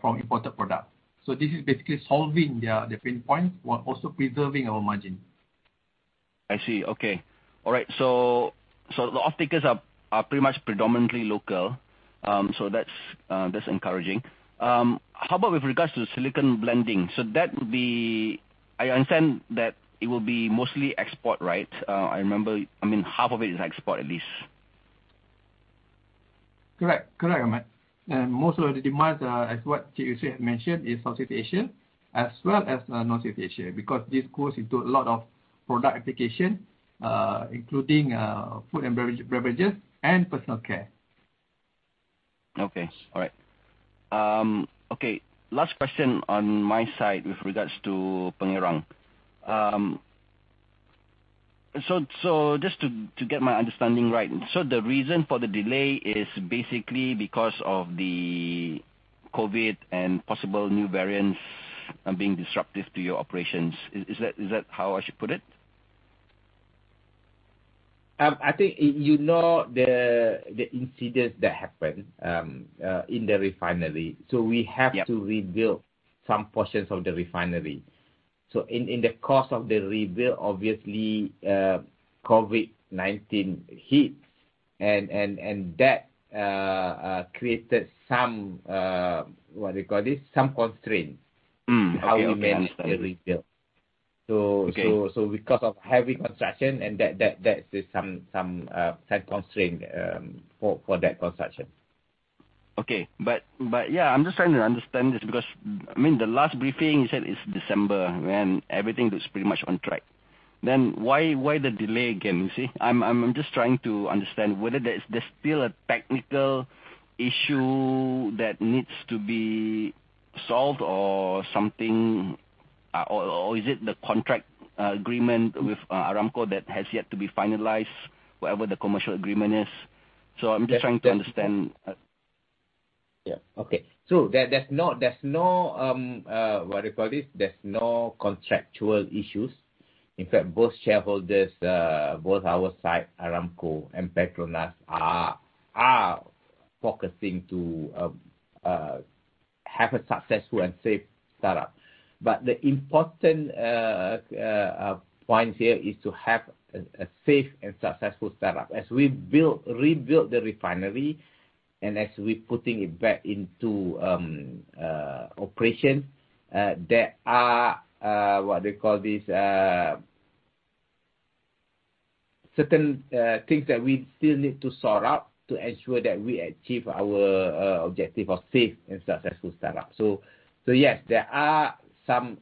from imported products. This is basically solving their pain points while also preserving our margin. I see. Okay. All right. The off-takers are pretty much predominantly local. That's encouraging. How about with regards to the silicone blending? That would be. I understand that it will be mostly export, right? I remember, I mean, half of it is export at least. Correct. Correct, Ahmad. Most of the demands are, as what KUC mentioned, Southeast Asian as well as North Asia, because this goes into a lot of product application, including food and beverages and personal care. Okay. All right. Okay. Last question on my side with regards to Pengerang. Just to get my understanding right, the reason for the delay is basically because of the COVID and possible new variants being disruptive to your operations. Is that how I should put it? I think, you know, the incident that happened in the refinery. Yeah. We have to rebuild some portions of the refinery. In the course of the rebuild, obviously, COVID-19 hits and that created some, what we call this? Some constraint- Okay. How we manage the rebuild. Okay. Because of heavy construction and that is some tight constraint for that construction. Okay. Yeah, I'm just trying to understand this because, I mean, the last briefing you said it's December and everything looks pretty much on track. Why the delay again, you see? I'm just trying to understand whether there's still a technical issue that needs to be solved or something, or is it the contract agreement with Aramco that has yet to be finalized, whatever the commercial agreement is. I'm just trying to understand. Yeah. Okay. There's no contractual issues. In fact, both shareholders, both our side, Aramco and PETRONAS are focusing to have a successful and safe startup. The important point here is to have a safe and successful startup. As we rebuild the refinery and as we're putting it back into operation, there are certain things that we still need to sort out to ensure that we achieve our objective of safe and successful startup. Yes, there are some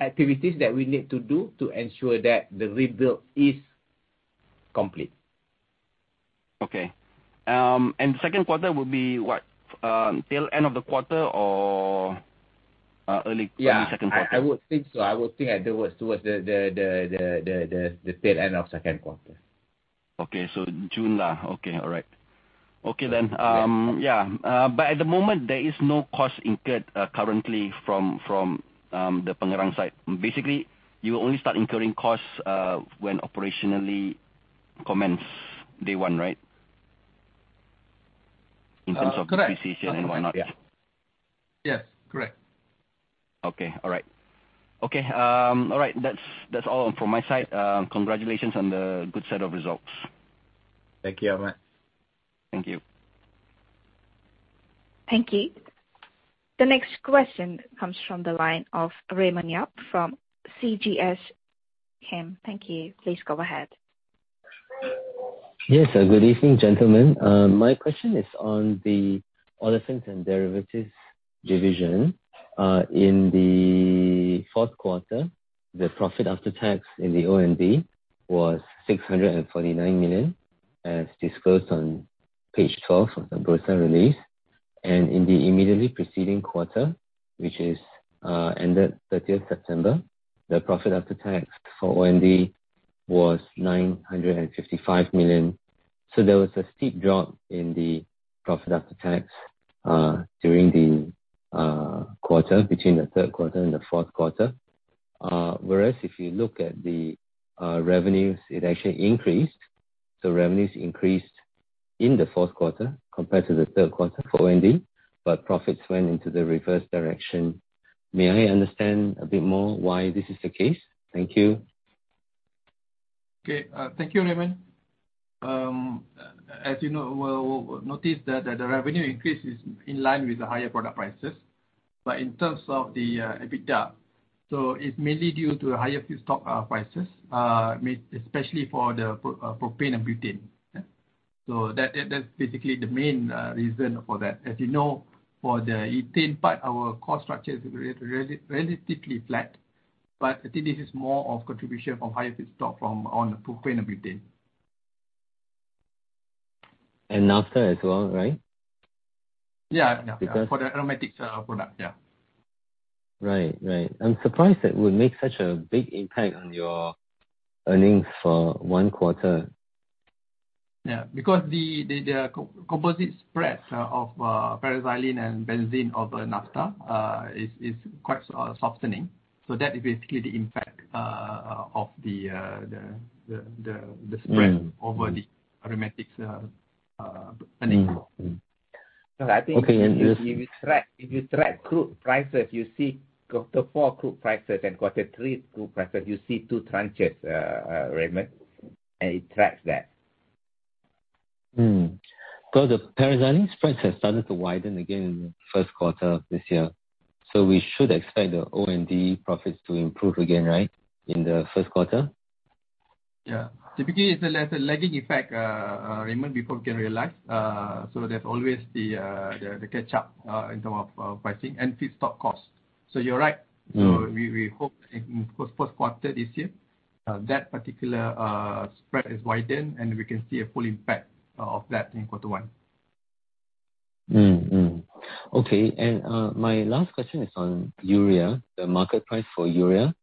activities that we need to do to ensure that the rebuild is complete. Okay. Second quarter will be what? Till end of the quarter or early second quarter? Yeah. I would think so. I would think towards the third end of second quarter. Okay. June. Okay. All right. Okay then. Yeah. Yeah. At the moment, there is no cost incurred, currently from the Pengerang side. Basically, you will only start incurring costs, when operationally commence day one, right? Correct. In terms of precision and whatnot. Yeah. Yes, correct. Okay. All right. Okay. All right. That's all from my side. Congratulations on the good set of results. Thank you, Ahmad. Thank you. Thank you. The next question comes from the line of Raymond Yap from CGS-CIMB. Raymond, thank you. Please go ahead. Yes. Good evening, gentlemen. My question is on the Olefins and Derivatives division. In the fourth quarter, the profit after tax in the O&D was 649 million, as disclosed on page 12 of the Bursa release. In the immediately preceding quarter, which is ended 30 September, the profit after tax for O&D was 955 million. There was a steep drop in the profit after tax during the quarter between the third quarter and the fourth quarter. Whereas if you look at the revenues, it actually increased. Revenues increased in the fourth quarter compared to the third quarter for O&D, but profits went into the reverse direction. May I understand a bit more why this is the case? Thank you. Okay. Thank you, Raymond. As you know, we'll notice that the revenue increase is in line with the higher product prices. In terms of the EBITDA, it's mainly due to higher feedstock prices, especially for the propane and butane. Yeah. That's basically the main reason for that. As you know, for the ethane part, our cost structure is relatively flat. I think this is more of a contribution from higher feedstock from the propane and butane. Naphtha as well, right? Yeah. Yeah. Because- For the aromatics, product. Yeah. Right. I'm surprised that would make such a big impact on your earnings for one quarter. Yeah. Because the composite spread of paraxylene and benzene over naphtha is quite softening. That is basically the impact of the spread. Mm. Over the aromatics earnings call. Okay. I think if you track crude prices, you see quarter four crude prices and quarter three crude prices. You see two tranches, Raymond, and it tracks that. The paraxylene spreads have started to widen again in the first quarter of this year. We should expect the O&D profits to improve again, right, in the first quarter? Typically, it's like a lagging effect, Raymond, before we can realize. There's always the catch up in terms of pricing and feedstock costs. You're right. Mm-hmm. We hope in first quarter this year that particular spread is widened, and we can see a full impact of that in quarter one. Okay. My last question is on urea. The market price for urea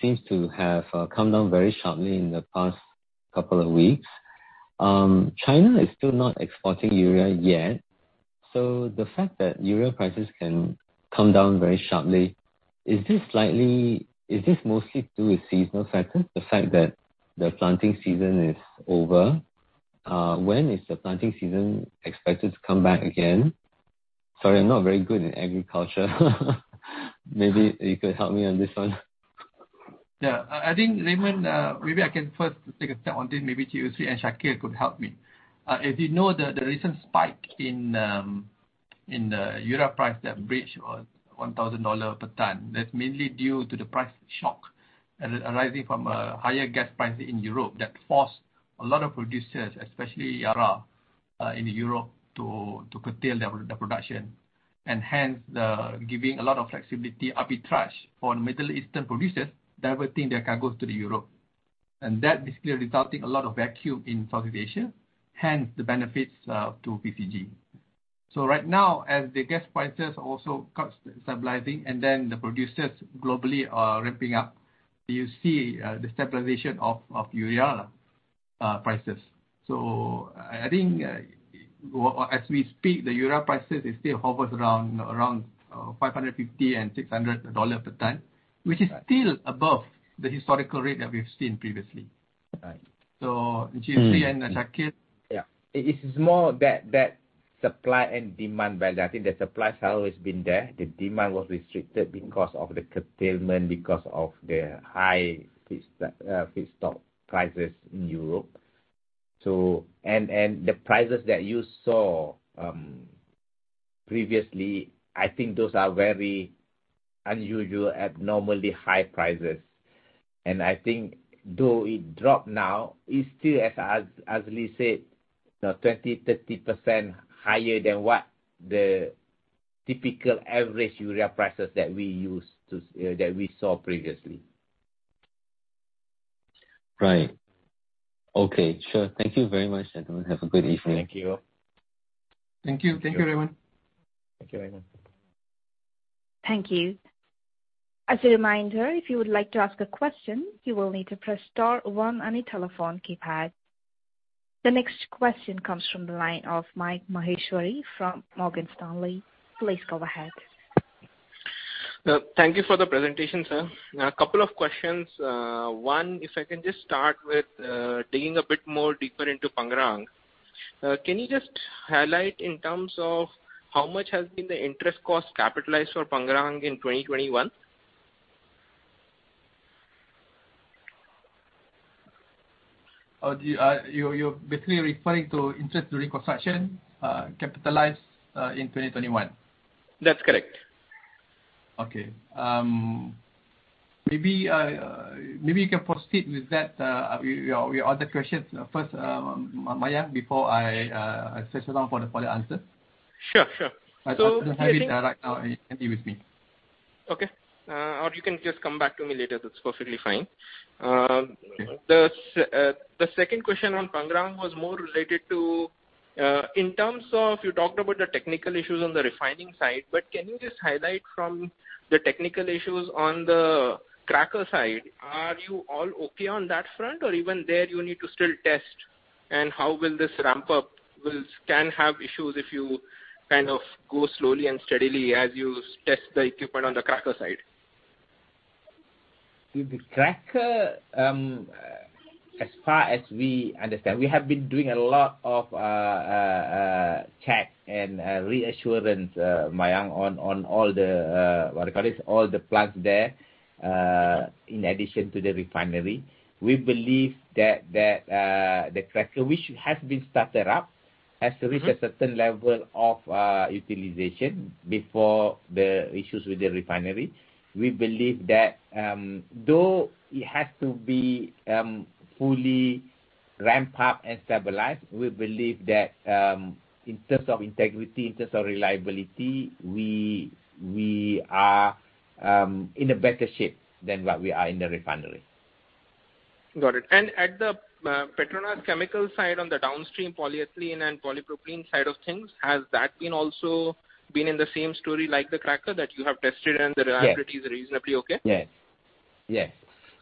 seems to have come down very sharply in the past couple of weeks. China is still not exporting urea yet, so the fact that urea prices can come down very sharply, is this mostly due to seasonal factors, the fact that the planting season is over? When is the planting season expected to come back again? Sorry, I'm not very good in agriculture. Maybe you could help me on this one. I think, Raymond, maybe I can first take a stab on this. Maybe Chee Hoe Lee and Shakeel could help me. As you know, the recent spike in the urea price that breached $1,000 per ton, that's mainly due to the price shock arising from higher gas prices in Europe that forced a lot of producers, especially Yara, in Europe, to curtail their production and hence giving a lot of flexibility arbitrage for Middle Eastern producers diverting their cargos to Europe. That basically resulting a lot of vacuum in Southeast Asia, hence the benefits to PCG. Right now, as the gas prices also starts stabilizing and then the producers globally are ramping up, you see the stabilization of urea prices. I think, as we speak, the urea prices is still hovers around $550-$600 per ton, which is still above the historical rate that we've seen previously. Right. Chee Hoe Lee and Shakir. Mm-hmm. Yeah. It is more that supply and demand balance. I think the supply has always been there. The demand was restricted because of the curtailment, because of the high feedstock prices in Europe. The prices that you saw previously, I think those are very unusual, abnormally high prices. I think though it dropped now, it's still, as Lee said, you know, 20%-30% higher than what the typical average urea prices that we saw previously. Right. Okay. Sure. Thank you very much, gentlemen. Have a good evening. Thank you. Thank you. Thank you, Raymond. Thank you, Raymond. Thank you. As a reminder, if you would like to ask a question, you will need to press star one on your telephone keypad. The next question comes from the line of Mayank Maheshwari from Morgan Stanley. Please go ahead. Thank you for the presentation, sir. A couple of questions. One, if I can just start with, digging a bit more deeper into Pengerang. Can you just highlight in terms of how much has been the interest cost capitalized for Pengerang in 2021? You’re basically referring to interest during construction capitalized in 2021? That's correct. Okay. Maybe you can proceed with that with your other questions first, Mayank, before I search around for the answer. Sure, sure. Do you think? I don't have it, right now handy with me. Okay. You can just come back to me later. That's perfectly fine. Okay. The second question on Pengerang was more related to, in terms of you talked about the technical issues on the refining side, but can you just highlight the technical issues on the cracker side? Are you all okay on that front, or even there you need to still test? How will this ramp up? Will can have issues if you kind of go slowly and steadily as you test the equipment on the cracker side. With the cracker, as far as we understand, we have been doing a lot of checks and reassurance, Mayank, on all the what you call this, all the plants there in addition to the refinery. We believe that the cracker, which has been started up, has to reach- Mm-hmm... a certain level of utilization before the issues with the refinery. We believe that, though it has to be fully ramped up and stabilized, we believe that in terms of integrity, in terms of reliability, we are in a better shape than what we are in the refinery. Got it. At the PETRONAS Chemicals side on the downstream polyethylene and polypropylene side of things, has that been also in the same story like the cracker that you have tested and the reliability? Yes Is reasonably okay? Yes.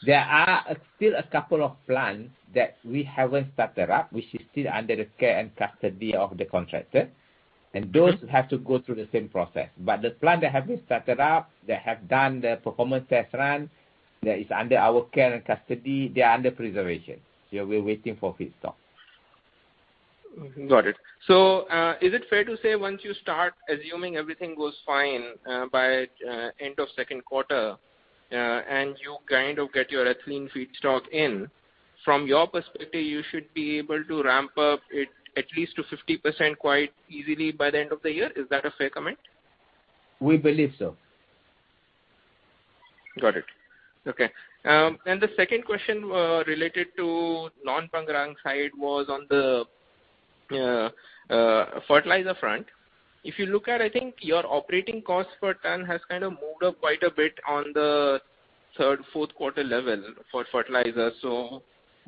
There are still a couple of plants that we haven't started up, which is still under the care and custody of the contractor. Mm-hmm. Those have to go through the same process. The plant that have been started up, that have done the performance test run, that is under our care and custody, they are under preservation. We're waiting for feedstock. Mm-hmm. Got it. Is it fair to say once you start, assuming everything goes fine, by end of second quarter. Yeah, and you kind of get your ethylene feedstock in. From your perspective, you should be able to ramp up it at least to 50% quite easily by the end of the year. Is that a fair comment? We believe so. Got it. Okay. The second question, related to non-Pengerang side was on the fertilizer front. If you look at, I think, your operating costs per ton has kind of moved up quite a bit on the third, fourth quarter level for fertilizer.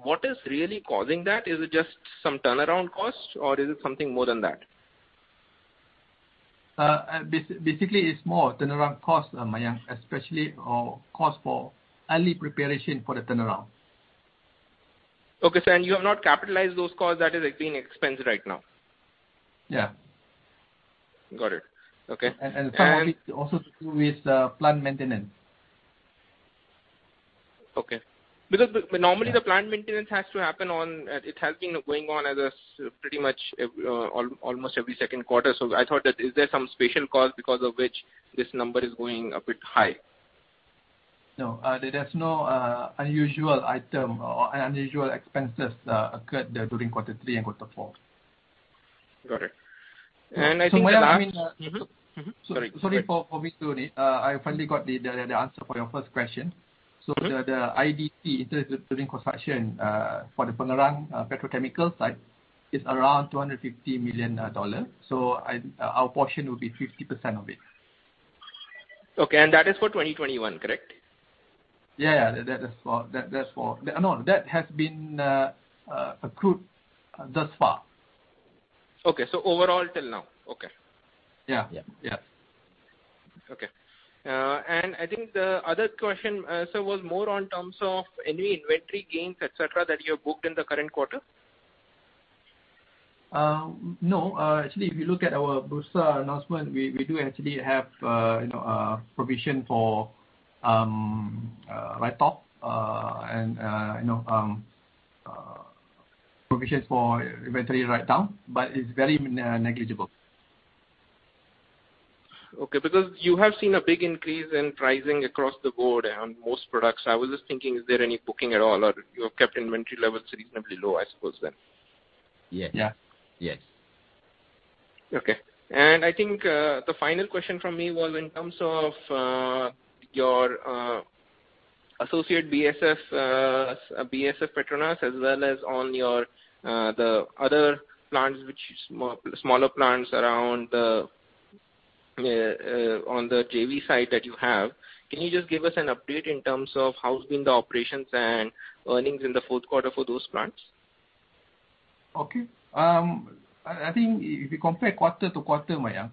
What is really causing that? Is it just some turnaround costs or is it something more than that? Basically, it's more turnaround costs, Mayank, especially our cost for early preparation for the turnaround. Okay. You have not capitalized those costs, that is again expensed right now? Yeah. Got it. Okay. Some of it also to do with plant maintenance. Okay. Because normally the plant maintenance has to happen on, it has been going on pretty much almost every second quarter. I thought that is there some special cost because of which this number is going a bit high? No. There is no unusual item or unusual expenses occurred there during quarter three and quarter four. Got it. I think the last- Mayank, I mean, Sorry. Go ahead. Sorry for interrupting you. I finally got the answer for your first question. Mm-hmm. The IDC, Interest During Construction, for the Pengerang petrochemical site is around $250 million. Our portion will be 50% of it. Okay. That is for 2021, correct? That has been accrued thus far. Okay. Overall till now. Okay. Yeah. Yeah. Yeah. Okay. I think the other question, sir, was more on terms of any inventory gains, et cetera, that you have booked in the current quarter. No. Actually, if you look at our Bursa announcement, we do actually have, you know, provision for write-off and, you know, provisions for inventory write-down, but it's very negligible. Okay. Because you have seen a big increase in pricing across the board on most products. I was just thinking, is there any booking at all, or you have kept inventory levels reasonably low, I suppose then? Yeah. Yes. Okay. I think the final question from me was in terms of your associate BASF PETRONAS, as well as your other smaller plants around on the JV side that you have. Can you just give us an update in terms of how's been the operations and earnings in the fourth quarter for those plants? Okay. I think if you compare quarter-to-quarter, Mayank.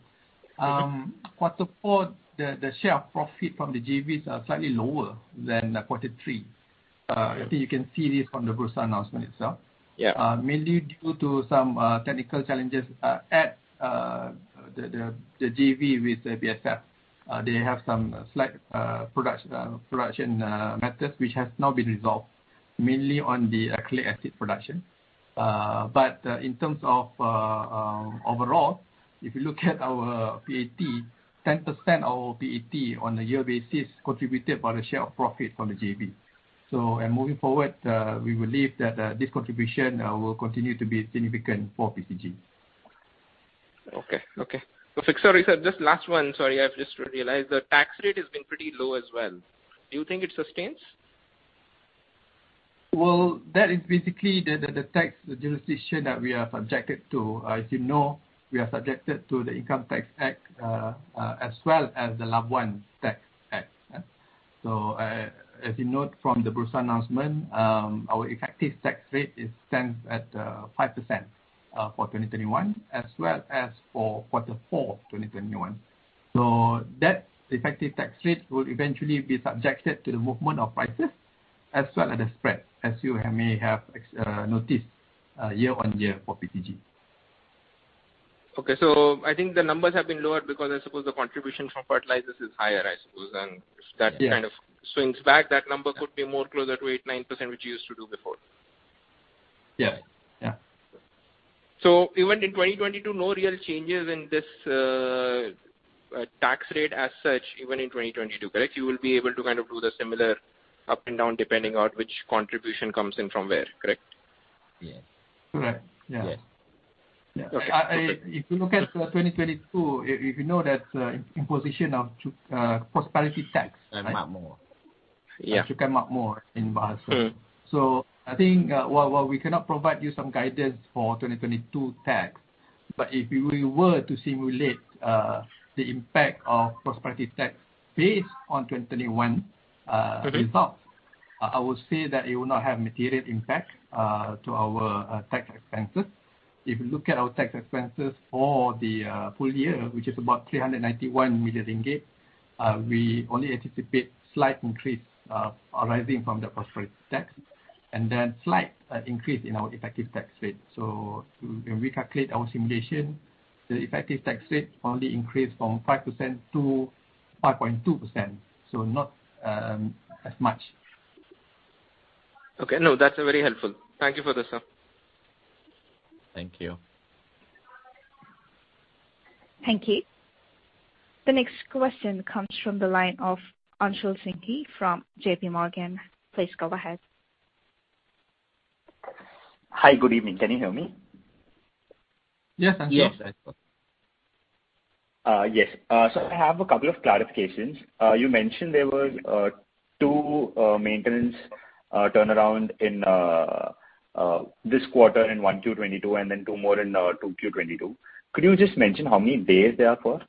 Mm-hmm Quarter four, the share profit from the JVs are slightly lower than quarter three. Okay. I think you can see this from the Bursa announcement itself. Yeah. Mainly due to some technical challenges at the JV with BASF. They have some slight production matters which have now been resolved mainly on the acrylic acid production. In terms of overall, if you look at our PAT, 10% of our PAT on a year basis contributed by the share of profit from the JV. Moving forward, we believe that this contribution will continue to be significant for PCG. Okay. Sorry, sir, just last one. Sorry, I've just realized the tax rate has been pretty low as well. Do you think it sustains? Well, that is basically the tax jurisdiction that we are subjected to. As you know, we are subjected to the Income Tax Act as well as the Labuan Tax Act. As you note from the Bursa announcement, our effective tax rate stands at 5% for 2021 as well as for quarter four of 2021. That effective tax rate will eventually be subjected to the movement of prices as well as the spread, as you may have noticed year-over-year for PCG. Okay. I think the numbers have been lower because I suppose the contribution from fertilizers is higher, I suppose. If that- Yeah Kind of swings back, that number could be more closer to 8%-9% which you used to do before. Yeah. Yeah. Even in 2022, no real changes in this tax rate as such, even in 2022, correct? You will be able to kind of do the similar up and down depending on which contribution comes in from where, correct? Yeah. Correct. Yeah. Yeah. Okay. If you look at 2022, if you know that imposition of prosperity tax. Cukai Makmur. Yeah. Cukai Makmur in Bahasa. Mm-hmm. I think, while we cannot provide you some guidance for 2022 tax, but if you were to simulate the impact of prosperity tax based on 2021 results. Mm-hmm I would say that it will not have material impact to our tax expenses. If you look at our tax expenses for the full year, which is about 391 million ringgit, we only anticipate slight increase arising from the prosperity tax and then slight increase in our effective tax rate. To recalculate our simulation, the effective tax rate only increased from 5%-5.2%, so not as much. Okay. No, that's very helpful. Thank you for this, sir. Thank you. Thank you. The next question comes from the line of Anshul Singhvi from JPMorgan. Please go ahead. Hi. Good evening. Can you hear me? Yes. Yes. Yes. I have a couple of clarifications. You mentioned there were two maintenance turnarounds in this quarter and one 2022, and then two more in 2Q 2022. Could you just mention how many days they are for?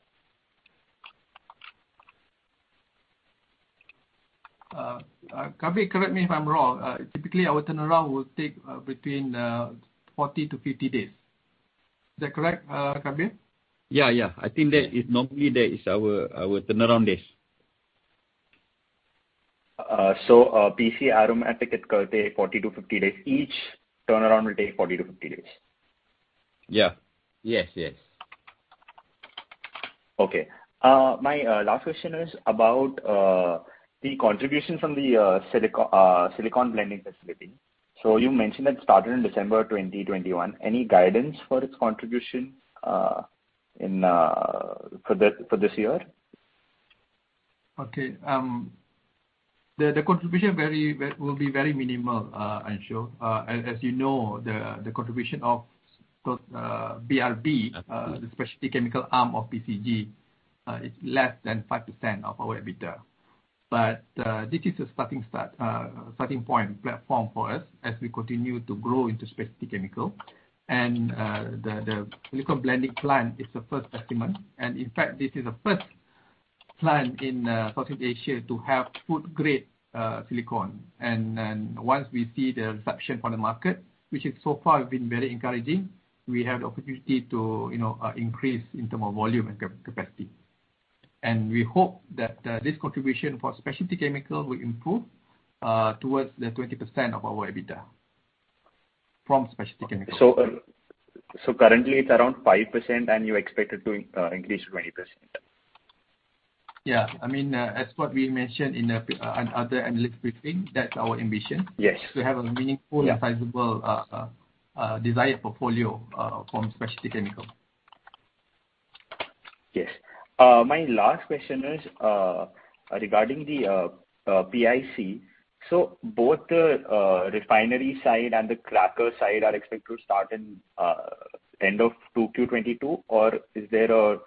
Kabir, correct me if I'm wrong. Typically our turnaround will take between 40-50 days. Is that correct, Kabir? Yeah, yeah. I think that is normally our turnaround days. PC, Aram and Tekat take 40-50 days each. Turnaround will take 40-50 days. Yeah. Yes, yes. Okay. My last question is about the contribution from the silicone blending facility. You mentioned it started in December 2021. Any guidance for its contribution for this year? Okay. The contribution will be very minimal, Anshul. As you know, the contribution of those BRB, the specialty chemical arm of PCG, is less than 5% of our EBITDA. This is a starting point platform for us as we continue to grow into specialty chemical. The silicon blending plant is the first testament, and in fact this is the first plant in Southeast Asia to have food grade silicone. Once we see the reception from the market, which so far has been very encouraging, we have the opportunity to, you know, increase in terms of volume and capacity. We hope that this contribution for specialty chemical will improve towards the 20% of our EBITDA from specialty chemical. Currently it's around 5% and you expect it to increase to 20%? Yeah. I mean, as what we mentioned in the other analyst briefing, that's our ambition. Yes. To have a meaningful- Yeah... sizable, desired portfolio from specialty chemical. Yes. My last question is regarding the PIC. Both the refinery side and the cracker side are expected to start in end of 2Q 2022? Or is there a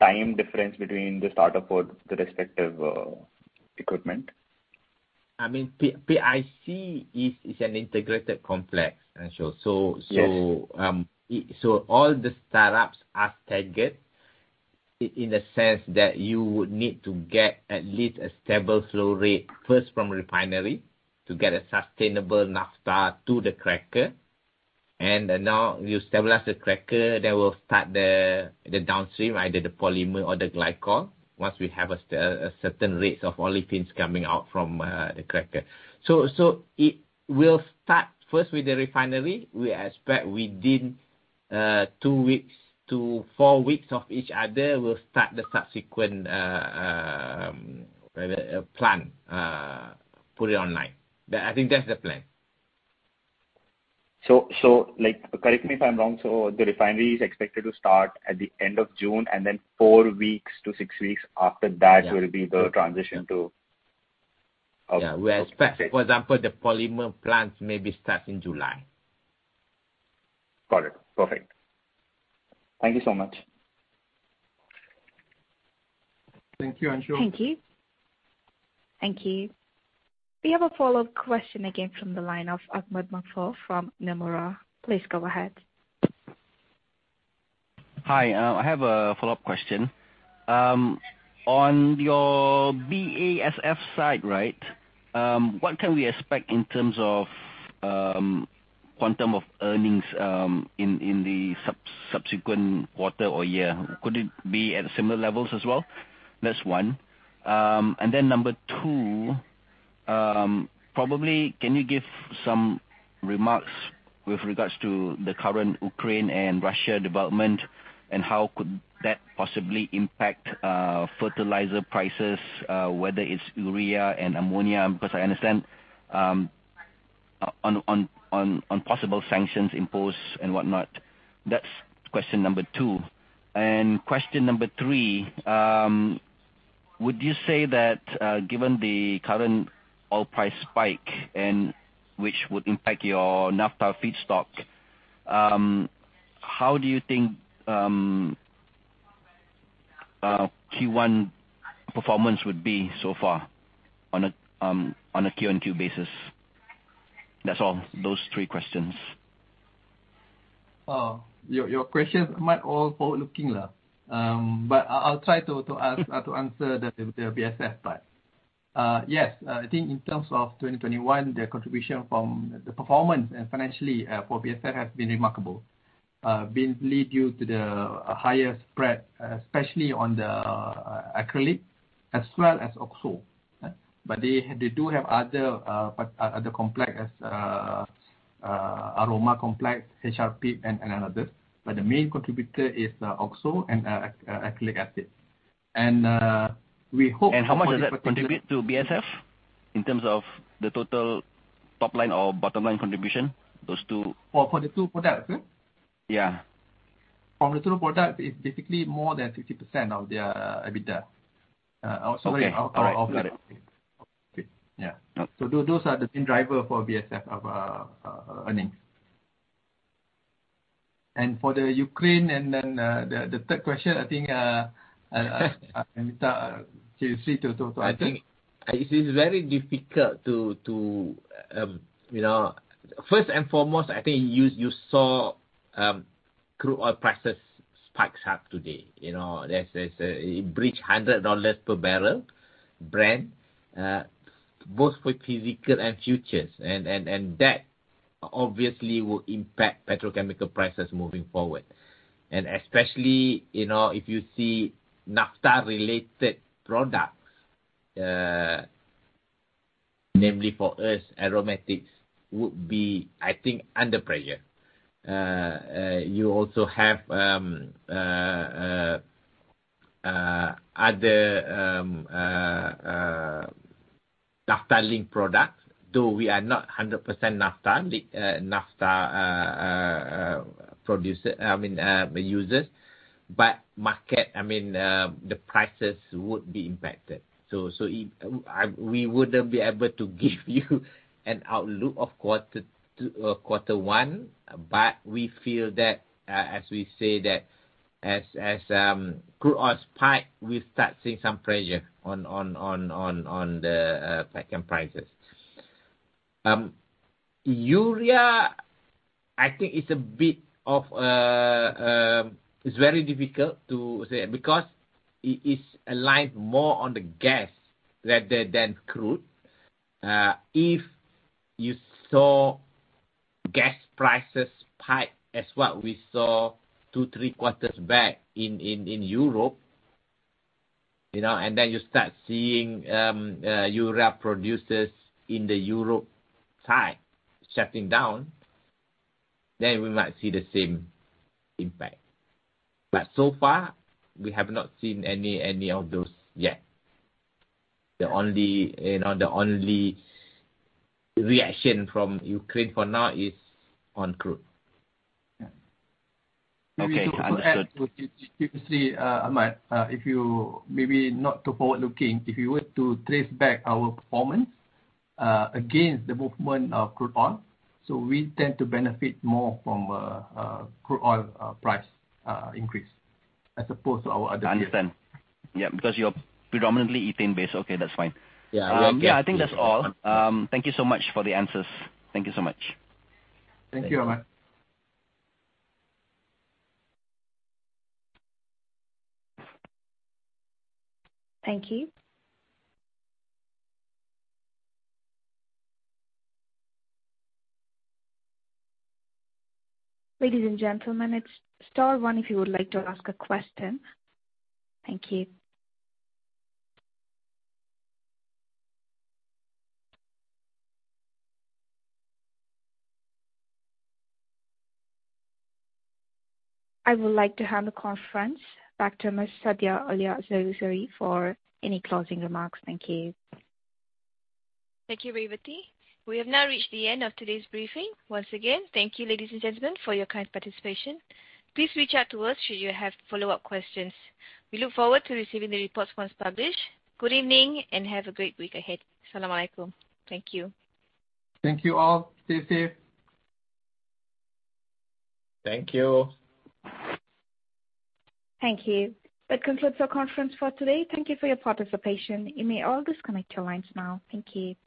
time difference between the startup for the respective equipment? I mean, PIC is an integrated complex, Anshul. So, Yes All the startups are staggered in a sense that you would need to get at least a stable flow rate first from refinery to get a sustainable naphtha to the cracker. Now you stabilize the cracker, they will start the downstream, either the polymer or the glycol, once we have a certain rates of olefins coming out from the cracker. It will start first with the refinery. We expect within 2 weeks-4 weeks of each other will start the subsequent plan put it online. I think that's the plan. Like, correct me if I'm wrong, so the refinery is expected to start at the end of June, and then 4 weeks-6 weeks after that. Yeah... will be the transition to- Yeah... of- We expect. Okay For example, the polymer plants maybe start in July. Got it. Perfect. Thank you so much. Thank you, Anshul. Thank you. We have a follow-up question again from the line of Ahmad Maghfur Usman from Nomura. Please go ahead. Hi. I have a follow-up question. On your BASF side, right, what can we expect in terms of quantum of earnings in the subsequent quarter or year? Could it be at similar levels as well? That's one. Then number two, probably can you give some remarks with regards to the current Ukraine and Russia development, and how could that possibly impact fertilizer prices, whether it's urea and ammonia? Because I understand on possible sanctions imposed and whatnot. That's question number two. Question number three, would you say that given the current oil price spike and which would impact your naphtha feedstock, how do you think Q1 performance would be so far on a Q&Q basis? That's all. Those three questions. Your questions are all forward-looking. I'll try to answer the BASF part. Yes, I think in terms of 2021, the contribution from the performance and financially for BASF has been remarkable. Mainly due to the higher spread, especially on the acrylic as well as OXO. They do have other complexes, aroma complex, HRP and another. The main contributor is OXO and acrylic acid. We hope for the How much does that contribute to BASF? In terms of the total top line or bottom line contribution, those two For the two products, yeah? Yeah. From the two product, it's basically more than 50% of their EBITDA. Okay. Sorry. Got it. Yeah. Okay. Those are the main driver for BASF of our earnings. For the Ukraine and then, the third question, I think, Yusri, can you see to answer? First and foremost, I think you saw crude oil prices spike up today, you know. There's it breached $100 per barrel Brent, both for physical and futures. That obviously will impact petrochemical prices moving forward. Especially, you know, if you see naphtha-related products, namely for us, aromatics would be, I think, under pressure. You also have other naphtha-linked products, though we are not 100% naphtha users. I mean, the prices would be impacted. We wouldn't be able to give you an outlook of quarter two, quarter one, but we feel that as we say that crude oils spike, we start seeing some pressure on the pet chem prices. Urea, I think it's a bit of. It's very difficult to say because it is aligned more on the gas rather than crude. If you saw gas prices spike as what we saw two, three quarters back in Europe, you know, and then you start seeing urea producers in the Europe side shutting down, then we might see the same impact. We have not seen any of those yet. The only reaction from Ukraine for now is on crude, you know. Yeah. Okay. Understood. Maybe to add to what you see, Ahmad, if you maybe not too forward-looking, if you were to trace back our performance against the movement of crude oil, so we tend to benefit more from crude oil price increase as opposed to our other years. I understand. Yeah, because you're predominantly ethane-based. Okay, that's fine. Yeah. Yeah, I think that's all. Thank you so much for the answers. Thank you so much. Thank you, Ahmad. Thank you. Ladies and gentlemen, it's star one if you would like to ask a question. Thank you. I would like to hand the conference back to Ms. Zaida Alia Shaari for any closing remarks. Thank you. Thank you, Revathy. We have now reached the end of today's briefing. Once again, thank you, ladies and gentlemen, for your kind participation. Please reach out to us should you have follow-up questions. We look forward to receiving the reports once published. Good evening, and have a great week ahead. Assalam alaikum. Thank you. Thank you all. Stay safe. Thank you. Thank you. That concludes our conference for today. Thank you for your participation. You may all disconnect your lines now. Thank you.